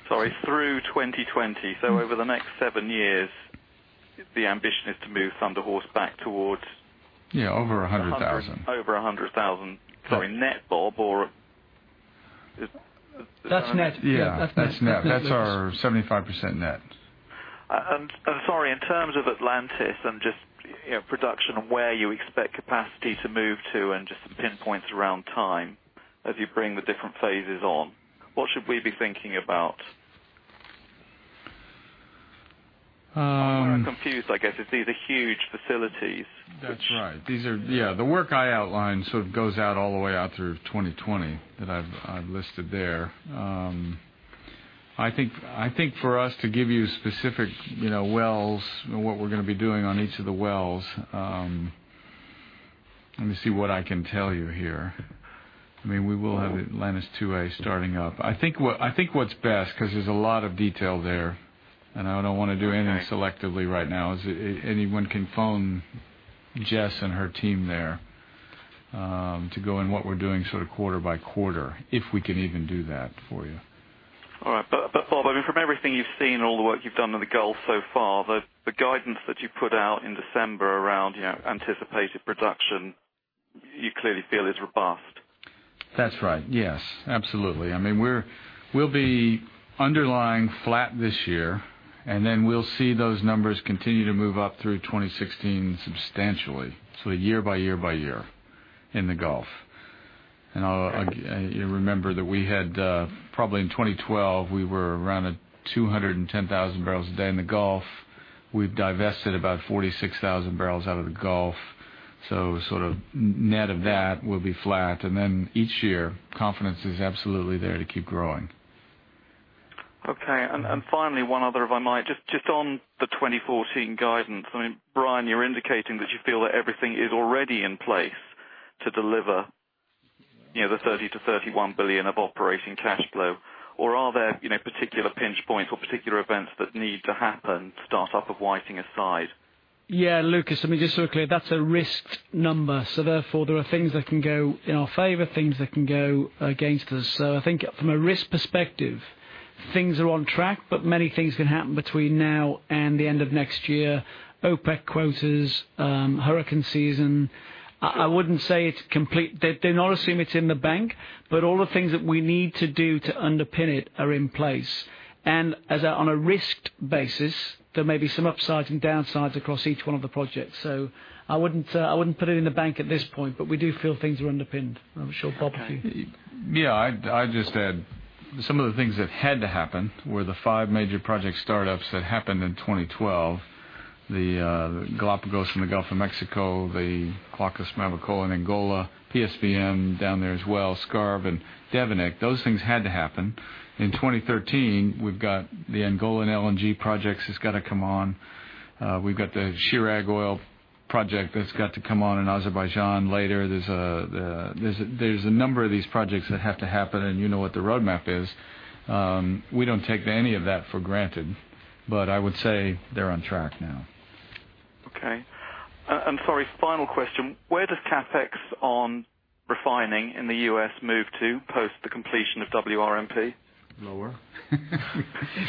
Sorry, through 2020. Over the next seven years, the ambition is to move Thunder Horse back towards- Yeah, over 100,000. Over 100,000. Sorry, net, Bob, or is That's net. Yeah. That's net. That's our 75% net. Sorry, in terms of Atlantis and just production of where you expect capacity to move to and just some pinpoints around time as you bring the different phases on. What should we be thinking about? Where I'm confused, I guess, is these are huge facilities. That's right. The work I outlined sort of goes out all the way out through 2020 that I've listed there. I think for us to give you specific wells and what we're going to be doing on each of the wells, let me see what I can tell you here. We will have Atlantis 2A starting up. I think what's best, because there's a lot of detail there, and I don't want to do anything selectively right now, is anyone can phone Jess and her team there, to go on what we're doing sort of quarter by quarter, if we can even do that for you. All right. Bob, from everything you've seen, all the work you've done in the Gulf so far, the guidance that you put out in December around anticipated production, you clearly feel is robust. That's right. Yes, absolutely. We'll be underlying flat this year, we'll see those numbers continue to move up through 2016 substantially, so year by year by year in the Gulf. You remember that we had, probably in 2012, we were around at 210,000 barrels a day in the Gulf. We've divested about 46,000 barrels out of the Gulf. Sort of net of that will be flat. Each year, confidence is absolutely there to keep growing. Okay. Finally, one other, if I might. Just on the 2014 guidance. Brian, you're indicating that you feel that everything is already in place to deliver the $30 to $31 billion of operating cash flow. Are there particular pinch points or particular events that need to happen, start-up of Whiting aside? Lucas, let me just so clear, that's a risked number. Therefore, there are things that can go in our favor, things that can go against us. I think from a risk perspective, things are on track, but many things can happen between now and the end of next year. OPEC quotas, hurricane season. I wouldn't say it's complete. They're not assuming it's in the bank, but all the things that we need to do to underpin it are in place. On a risked basis, there may be some upsides and downsides across each one of the projects. I wouldn't put it in the bank at this point, but we do feel things are underpinned. I'm sure Bob would agree. I'd just add, some of the things that had to happen were the five major project startups that happened in 2012. The Galapagos in the Gulf of Mexico, the CLOV, [Mafumeira] in Angola, PSVM down there as well, Skarv and Devenick. Those things had to happen. In 2013, we've got the Angola LNG projects has got to come on. We've got the Chirag oil project that's got to come on in Azerbaijan later. There's a number of these projects that have to happen, and you know what the roadmap is. We don't take any of that for granted, but I would say they're on track now. Okay. Sorry, final question. Where does CapEx on refining in the U.S. move to post the completion of WRMP? Lower.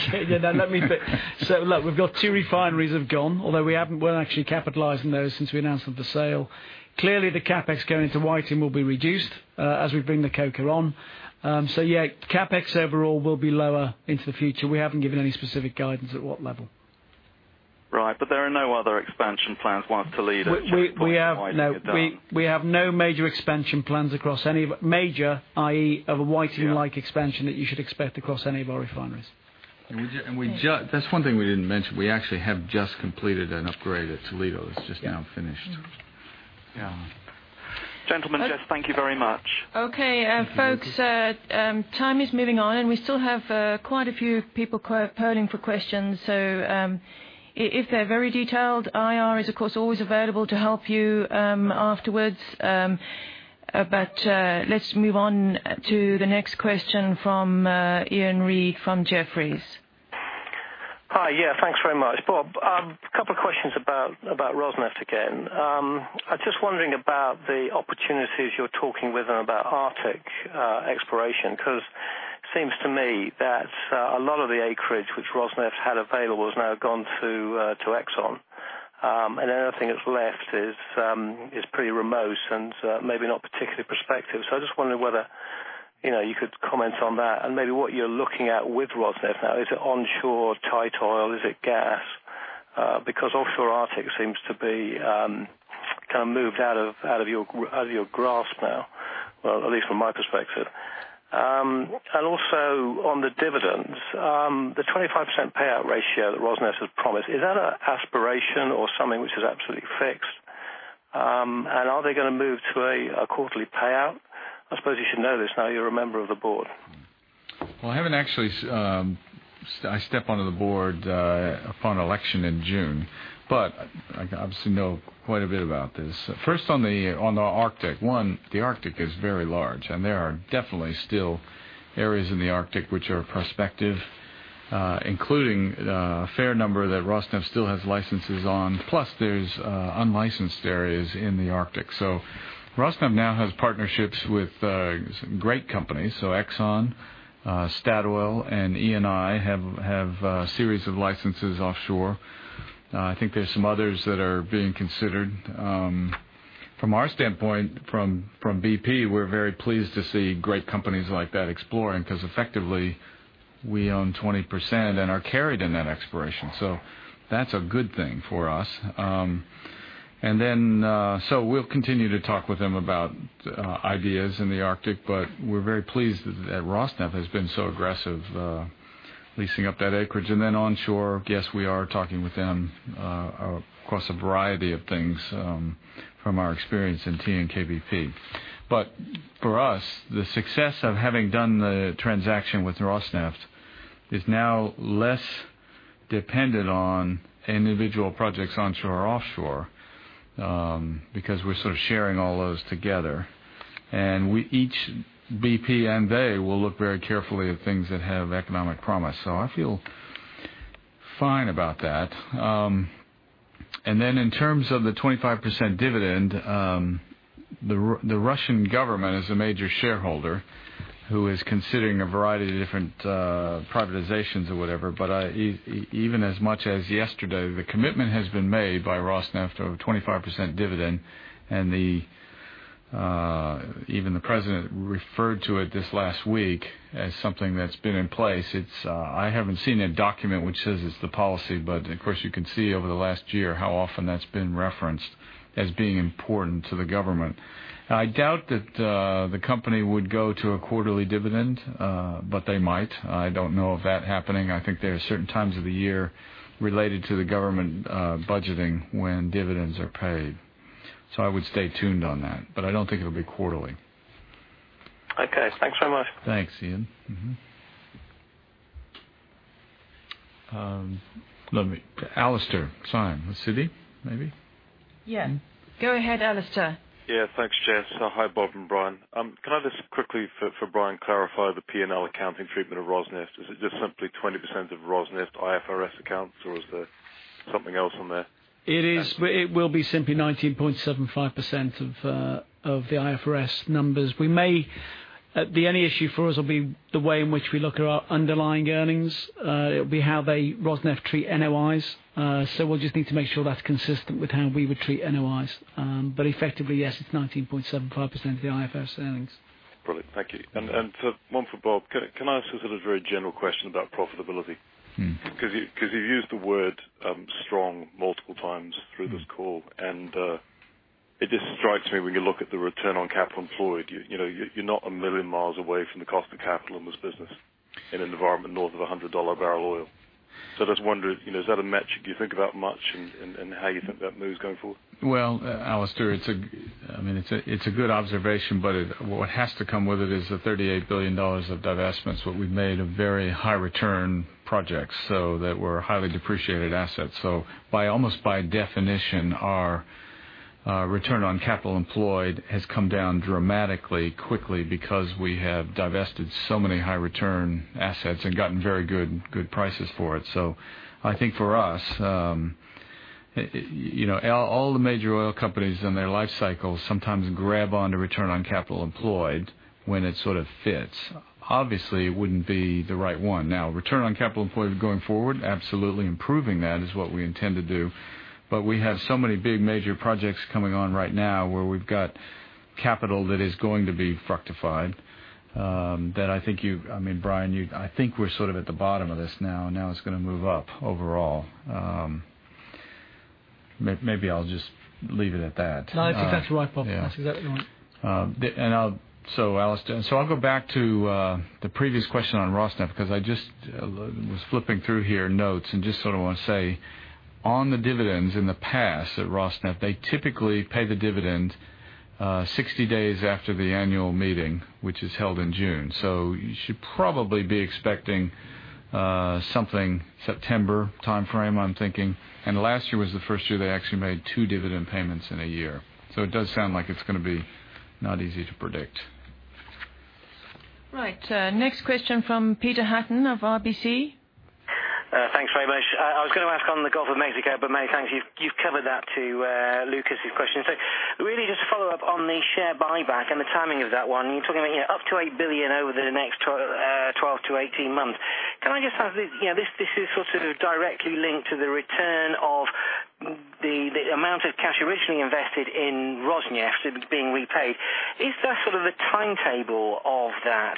Okay. Look, we've got two refineries have gone, although we weren't actually capitalizing those since we announced the sale. Clearly, the CapEx going into Whiting will be reduced as we bring the coker on. Yeah, CapEx overall will be lower into the future. We haven't given any specific guidance at what level. Right. there are no other expansion plans. We have no major expansion plans across Major, i.e., of a Whiting-like expansion that you should expect across any of our refineries. That's one thing we didn't mention. We actually have just completed an upgrade at Toledo. It's just now finished. Yeah. Gentlemen, Jess, thank you very much. Okay, folks, time is moving on. We still have quite a few people polling for questions. If they're very detailed, IR is, of course, always available to help you afterwards. Let's move on to the next question from Iain Reid from Jefferies. Hi. Yeah, thanks very much. Bob, a couple of questions about Rosneft again. I'm just wondering about the opportunities you're talking with them about Arctic exploration, because it seems to me that a lot of the acreage which Rosneft had available has now gone through to Exxon. The only thing that's left is pretty remote and maybe not particularly prospective. I just wondered whether you could comment on that and maybe what you're looking at with Rosneft now. Is it onshore, tight oil? Is it gas? Because offshore Arctic seems to be moved out of your grasp now. Well, at least from my perspective. Also on the dividends, the 25% payout ratio that Rosneft has promised, is that an aspiration or something which is absolutely fixed? Are they going to move to a quarterly payout? I suppose you should know this now you're a member of the board. Well, I haven't actually. I step onto the board upon election in June, but I obviously know quite a bit about this. First, on the Arctic. One, the Arctic is very large. There are definitely still areas in the Arctic which are prospective, including a fair number that Rosneft still has licenses on, plus there's unlicensed areas in the Arctic. Rosneft now has partnerships with some great companies. Exxon, Statoil, and Eni have a series of licenses offshore. I think there's some others that are being considered. From our standpoint, from BP, we're very pleased to see great companies like that exploring, because effectively we own 20% and are carried in that exploration. That's a good thing for us. We'll continue to talk with them about ideas in the Arctic, but we're very pleased that Rosneft has been so aggressive leasing up that acreage. Onshore, yes, we are talking with them across a variety of things from our experience in TNK-BP. For us, the success of having done the transaction with Rosneft is now less dependent on individual projects onshore or offshore, because we're sort of sharing all those together. We each, BP and they, will look very carefully at things that have economic promise. I feel fine about that. In terms of the 25% dividend, the Russian government is a major shareholder who is considering a variety of different privatizations or whatever. Even as much as yesterday, the commitment has been made by Rosneft of a 25% dividend, and even the president referred to it this last week as something that's been in place. I haven't seen a document which says it's the policy, of course, you can see over the last year how often that's been referenced as being important to the government. I doubt that the company would go to a quarterly dividend, but they might. I don't know of that happening. I think there are certain times of the year related to the government budgeting when dividends are paid. I would stay tuned on that, but I don't think it'll be quarterly. Okay, thanks so much. Thanks, Iain. Let me Alastair Syme, with Citi, maybe? Yeah. Go ahead, Alastair. Yeah, thanks, Jess. Hi, Bob and Brian. Can I just quickly for Brian clarify the P&L accounting treatment of Rosneft? Is it just simply 20% of Rosneft IFRS accounts, or is there something else on there? It will be simply 19.75% of the IFRS numbers. The only issue for us will be the way in which we look at our underlying earnings. It'll be how they, Rosneft, treat NOI. We'll just need to make sure that's consistent with how we would treat NOI. Effectively, yes, it's 19.75% of the IFRS earnings. Brilliant. Thank you. One for Bob. Can I ask you sort of very general question about profitability? Because you've used the word "strong" multiple times through this call, and it just strikes me when you look at the return on capital employed, you're not a million miles away from the cost of capital in this business in an environment north of $100 barrel oil. I just wonder, is that a metric you think about much in how you think that moves going forward? Well, Alastair, it's a good observation, what has to come with it is the $38 billion of divestments, what we've made of very high return projects, so that were highly depreciated assets. Almost by definition, our return on capital employed has come down dramatically quickly because we have divested so many high return assets and gotten very good prices for it. I think for us, all the major oil companies in their life cycle sometimes grab onto return on capital employed when it sort of fits. Obviously, it wouldn't be the right one. Now, return on capital employed going forward, absolutely improving that is what we intend to do. We have so many big major projects coming on right now where we've got capital that is going to be fructified, that I think, Brian, I think we're sort of at the bottom of this now. Now it's going to move up overall. Maybe I'll just leave it at that. No, I think that's all right, Bob. That's exactly right. Alastair, I'll go back to the previous question on Rosneft, because I just was flipping through here notes and just want to say on the dividends in the past at Rosneft, they typically pay the dividend 60 days after the annual meeting, which is held in June. You should probably be expecting something September timeframe, I'm thinking. Last year was the first year they actually made two dividend payments in a year. It does sound like it's going to be not easy to predict. Right. Next question from Peter Hutton of RBC. Thanks very much. I was going to ask on the Gulf of Mexico, May, thanks, you've covered that to Lucas's question. Really just a follow-up on the share buyback and the timing of that one. You're talking about up to $8 billion over the next 12 to 18 months. Can I just ask, this is directly linked to the return of the amount of cash originally invested in Rosneft being repaid. Is that a timetable of that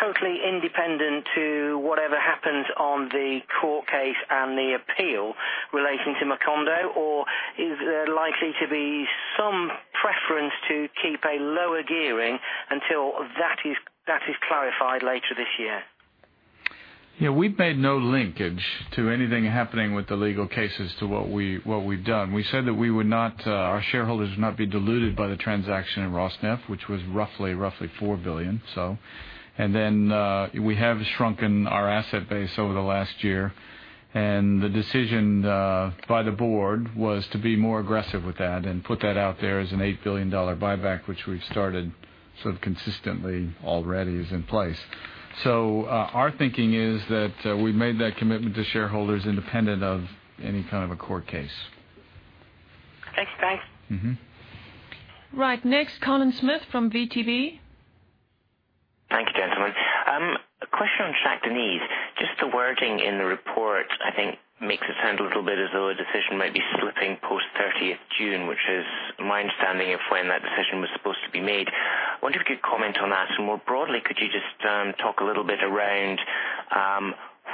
totally independent to whatever happens on the court case and the appeal relating to Macondo? Or is there likely to be some preference to keep a lower gearing until that is clarified later this year? We've made no linkage to anything happening with the legal cases to what we've done. We said that our shareholders would not be diluted by the transaction in Rosneft, which was roughly $4 billion. We have shrunken our asset base over the last year. The decision by the board was to be more aggressive with that and put that out there as an $8 billion buyback, which we've started consistently already is in place. Our thinking is that we've made that commitment to shareholders independent of any kind of a court case. Thanks, guys. Next, Colin Smith from VTB. Thank you, gentlemen. A question on Shah Deniz. Just the wording in the report, I think makes it sound a little bit as though a decision might be slipping post 30th June, which is my understanding of when that decision was supposed to be made. I wonder if you could comment on that. More broadly, could you just talk a little bit around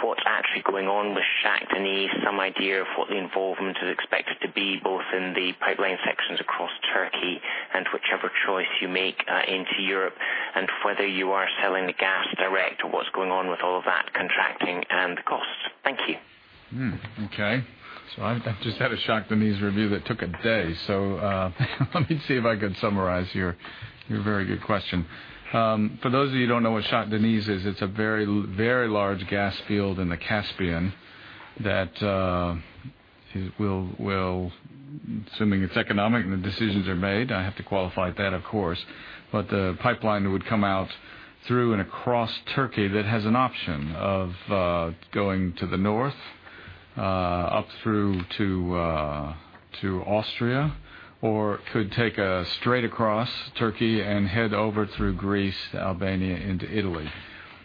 what's actually going on with Shah Deniz, some idea of what the involvement is expected to be, both in the pipeline sections across Turkey and whichever choice you make into Europe, and whether you are selling the gas direct or what's going on with all of that contracting and the costs? Thank you. I just had a Shah Deniz review that took a day. Let me see if I can summarize your very good question. For those of you who don't know what Shah Deniz is, it's a very large gas field in the Caspian that will, assuming it's economic and the decisions are made, I have to qualify that, of course, but the pipeline would come out through and across Turkey that has an option of going to the north up through to Austria, or could take a straight across Turkey and head over through Greece, Albania into Italy.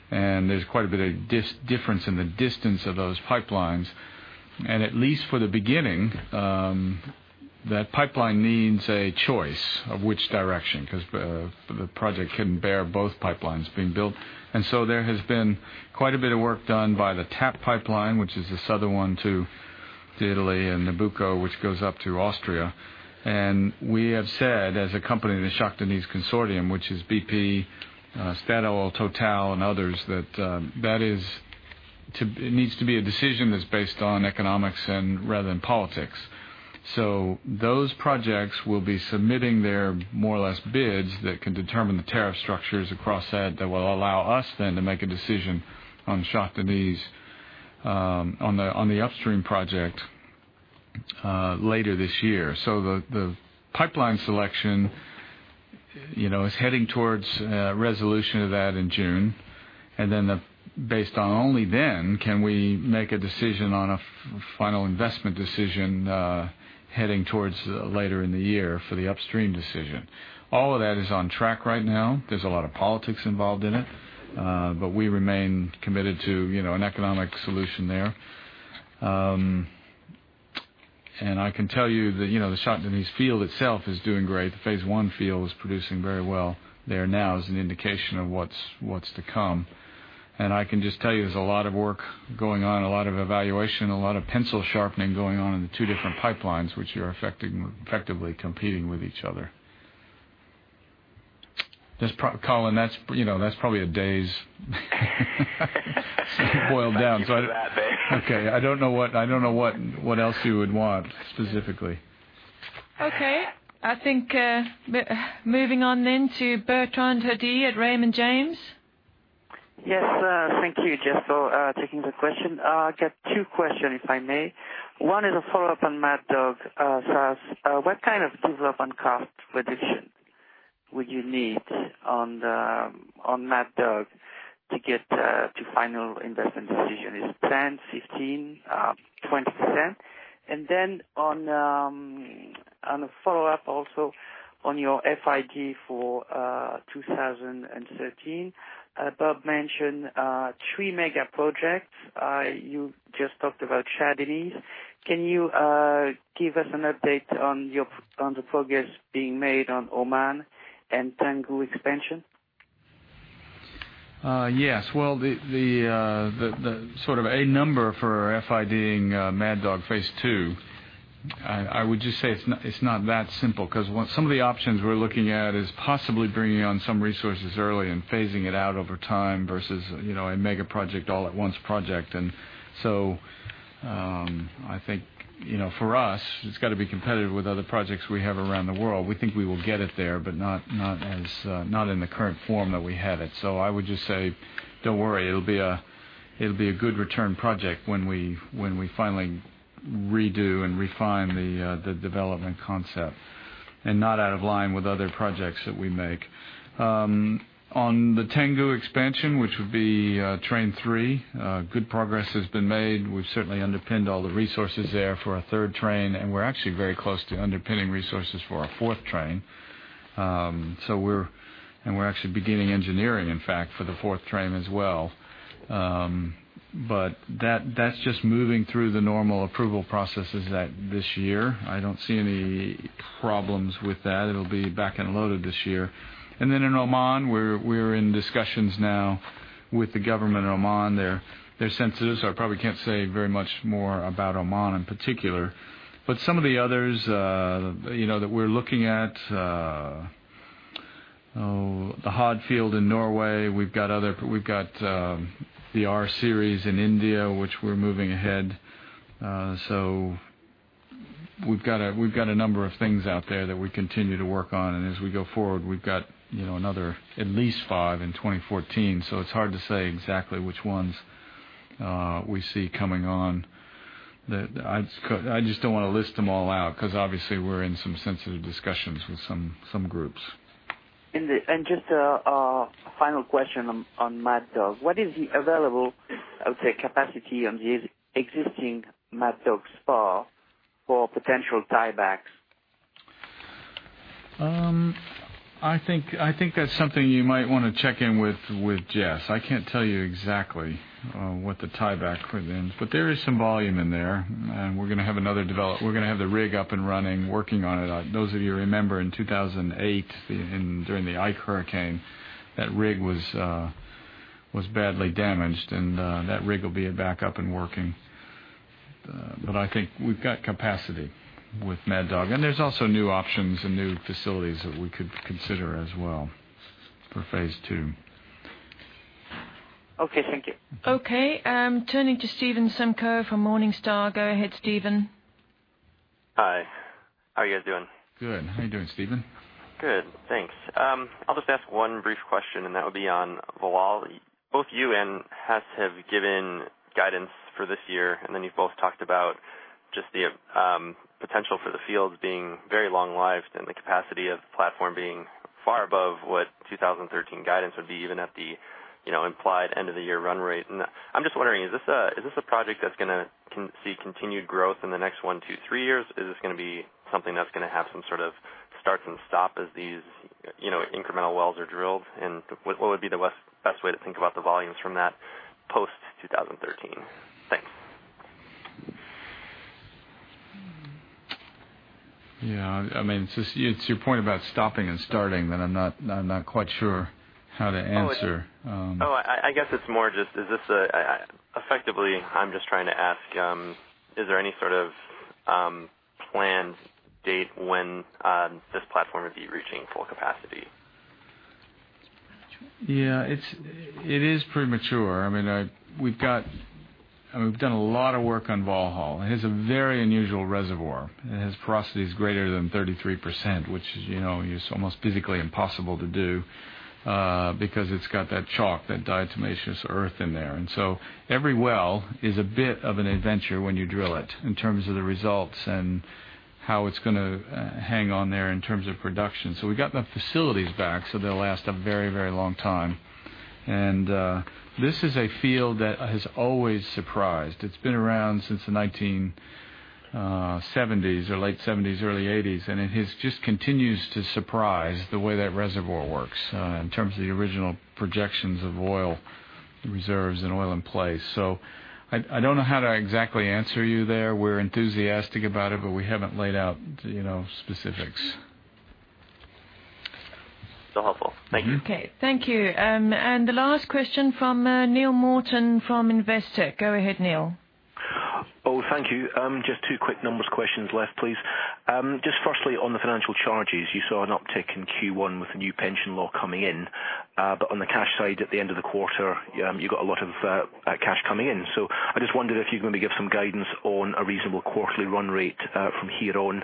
There's quite a bit of difference in the distance of those pipelines. At least for the beginning, that pipeline needs a choice of which direction, because the project can bear both pipelines being built. There has been quite a bit of work done by the TAP pipeline, which is the southern one to Italy, and Nabucco, which goes up to Austria. We have said, as a company in the Shah Deniz consortium, which is BP, Statoil, Total, and others, that it needs to be a decision that's based on economics rather than politics. Those projects will be submitting their more or less bids that can determine the tariff structures across that will allow us then to make a decision on Shah Deniz on the upstream project later this year. The pipeline selection is heading towards a resolution of that in June. Based on only then can we make a decision on a final investment decision heading towards later in the year for the upstream decision. All of that is on track right now. There's a lot of politics involved in it. We remain committed to an economic solution there. I can tell you that the Shah Deniz field itself is doing great. The phase 1 field is producing very well. There now is an indication of what's to come. I can just tell you, there's a lot of work going on, a lot of evaluation, a lot of pencil sharpening going on in the two different pipelines, which are effectively competing with each other. Colin, that's probably a day's boiled down. Thank you for that, Bob. Okay. I don't know what else you would want specifically. Okay. I think, moving on to Bertrand Hodée at Raymond James. Yes. Thank you, Jess, for taking the question. I got two question, if I may. One is a follow-up on Mad Dog, [so]. What kind of development cost reduction would you need on Mad Dog to get to final investment decision? Is it 10%, 15%, 20%? On a follow-up, also on your FID for 2013. Bob mentioned three mega projects. You just talked about Shah Deniz. Can you give us an update on the progress being made on Oman and Tangguh expansion? Yes. Well, the sort of a number for FIDing Mad Dog phase 2 I would just say it's not that simple, because some of the options we're looking at is possibly bringing on some resources early and phasing it out over time versus a mega project all at once project. I think, for us, it's got to be competitive with other projects we have around the world. We think we will get it there, but not in the current form that we have it. I would just say, don't worry, it'll be a good return project when we finally redo and refine the development concept, and not out of line with other projects that we make. On the Tangguh expansion, which would be train 3, good progress has been made. We've certainly underpinned all the resources there for a third train, we're actually very close to underpinning resources for our fourth train. We're actually beginning engineering, in fact, for the fourth train as well. That's just moving through the normal approval processes this year. I don't see any problems with that. It'll be back end loaded this year. In Oman, we're in discussions now with the government of Oman. They're sensitive, so I probably can't say very much more about Oman in particular. Some of the others that we're looking at, the Hod field in Norway. We've got the R-series in India, which we're moving ahead. We've got a number of things out there that we continue to work on. As we go forward, we've got another at least five in 2014. It's hard to say exactly which ones we see coming on. I just don't want to list them all out, because obviously we're in some sensitive discussions with some groups. Just a final question on Mad Dog. What is the available, I would say, capacity on the existing Mad Dog spar for potential tiebacks? I think that's something you might want to check in with Jess. I can't tell you exactly what the tieback for them, but there is some volume in there. We're going to have the rig up and running, working on it. Those of you who remember, in 2008, during Hurricane Ike, that rig was badly damaged. That rig will be back up and working. I think we've got capacity with Mad Dog, and there's also new options and new facilities that we could consider as well for phase 2. Okay. Thank you. Okay. Turning to Stephen Simko from Morningstar. Go ahead, Stephen. Hi. How are you guys doing? Good. How are you doing, Stephen? Good, thanks. I'll just ask one brief question, and that would be on Valhall. Both you and Hess have given guidance for this year, and then you've both talked about just the potential for the fields being very long-lived and the capacity of the platform being far above what 2013 guidance would be, even at the implied end of the year run rate. I'm just wondering, is this a project that's going to see continued growth in the next one, two, three years? Is this going to be something that's going to have some sort of starts and stop as these incremental wells are drilled? What would be the best way to think about the volumes from that post 2013? Thanks. Yeah. It's your point about stopping and starting that I'm not quite sure how to answer. Oh, I guess it's more just, effectively, I'm just trying to ask, is there any sort of planned date when this platform would be reaching full capacity? Yeah. It is premature. We've done a lot of work on Valhall. It has a very unusual reservoir, and its porosity is greater than 33%, which is almost physically impossible to do, because it's got that chalk, that diatomaceous earth in there. Every well is a bit of an adventure when you drill it, in terms of the results and how it's going to hang on there in terms of production. We've got the facilities back, so they'll last a very, very long time. This is a field that has always surprised. It's been around since the 1970s or late '70s, early '80s, and it just continues to surprise the way that reservoir works in terms of the original projections of oil reserves and oil in place. I don't know how to exactly answer you there. We're enthusiastic about it, we haven't laid out specifics. helpful. Thank you. Okay. Thank you. The last question from Neill Morton from Investec. Go ahead, Neill. Thank you. Just two quick numbers questions left, please. Just firstly, on the financial charges, you saw an uptick in Q1 with the new pension law coming in. On the cash side, at the end of the quarter, you got a lot of cash coming in. I just wondered if you're going to give some guidance on a reasonable quarterly run rate from here on.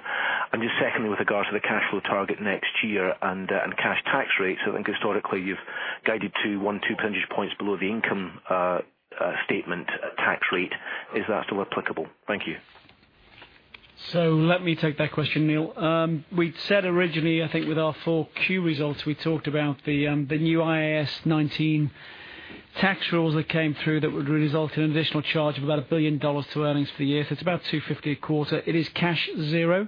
Just secondly, with regards to the cash flow target next year and cash tax rates, I think historically, you've guided to one, two percentage points below the income statement tax rate. Is that still applicable? Thank you. Let me take that question, Neil. We'd said originally, I think with our 4Q results, we talked about the new IAS 19 tax rules that came through that would result in an additional charge of about $1 billion to earnings for the year. It's about $250 million a quarter. It is cash zero.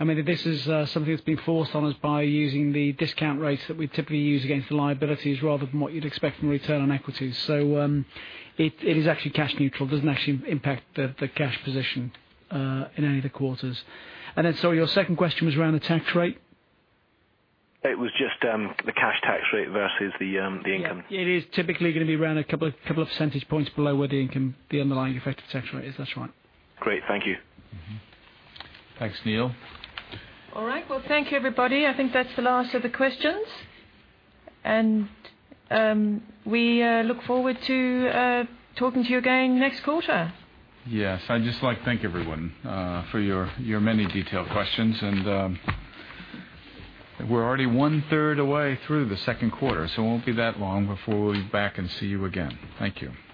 This is something that's been forced on us by using the discount rates that we'd typically use against the liabilities rather than what you'd expect from return on equities. It is actually cash neutral, doesn't actually impact the cash position in any of the quarters. Then, sorry, your second question was around the tax rate? It was just the cash tax rate versus the income. Yeah. It is typically going to be around a couple of percentage points below where the underlying effective tax rate is. That's right. Great. Thank you. Mm-hmm. Thanks, Neill. Well, thank you, everybody. I think that's the last of the questions. We look forward to talking to you again next quarter. Yes. I'd just like to thank everyone for your many detailed questions. We're already one third away through the second quarter, so it won't be that long before we'll be back and see you again. Thank you.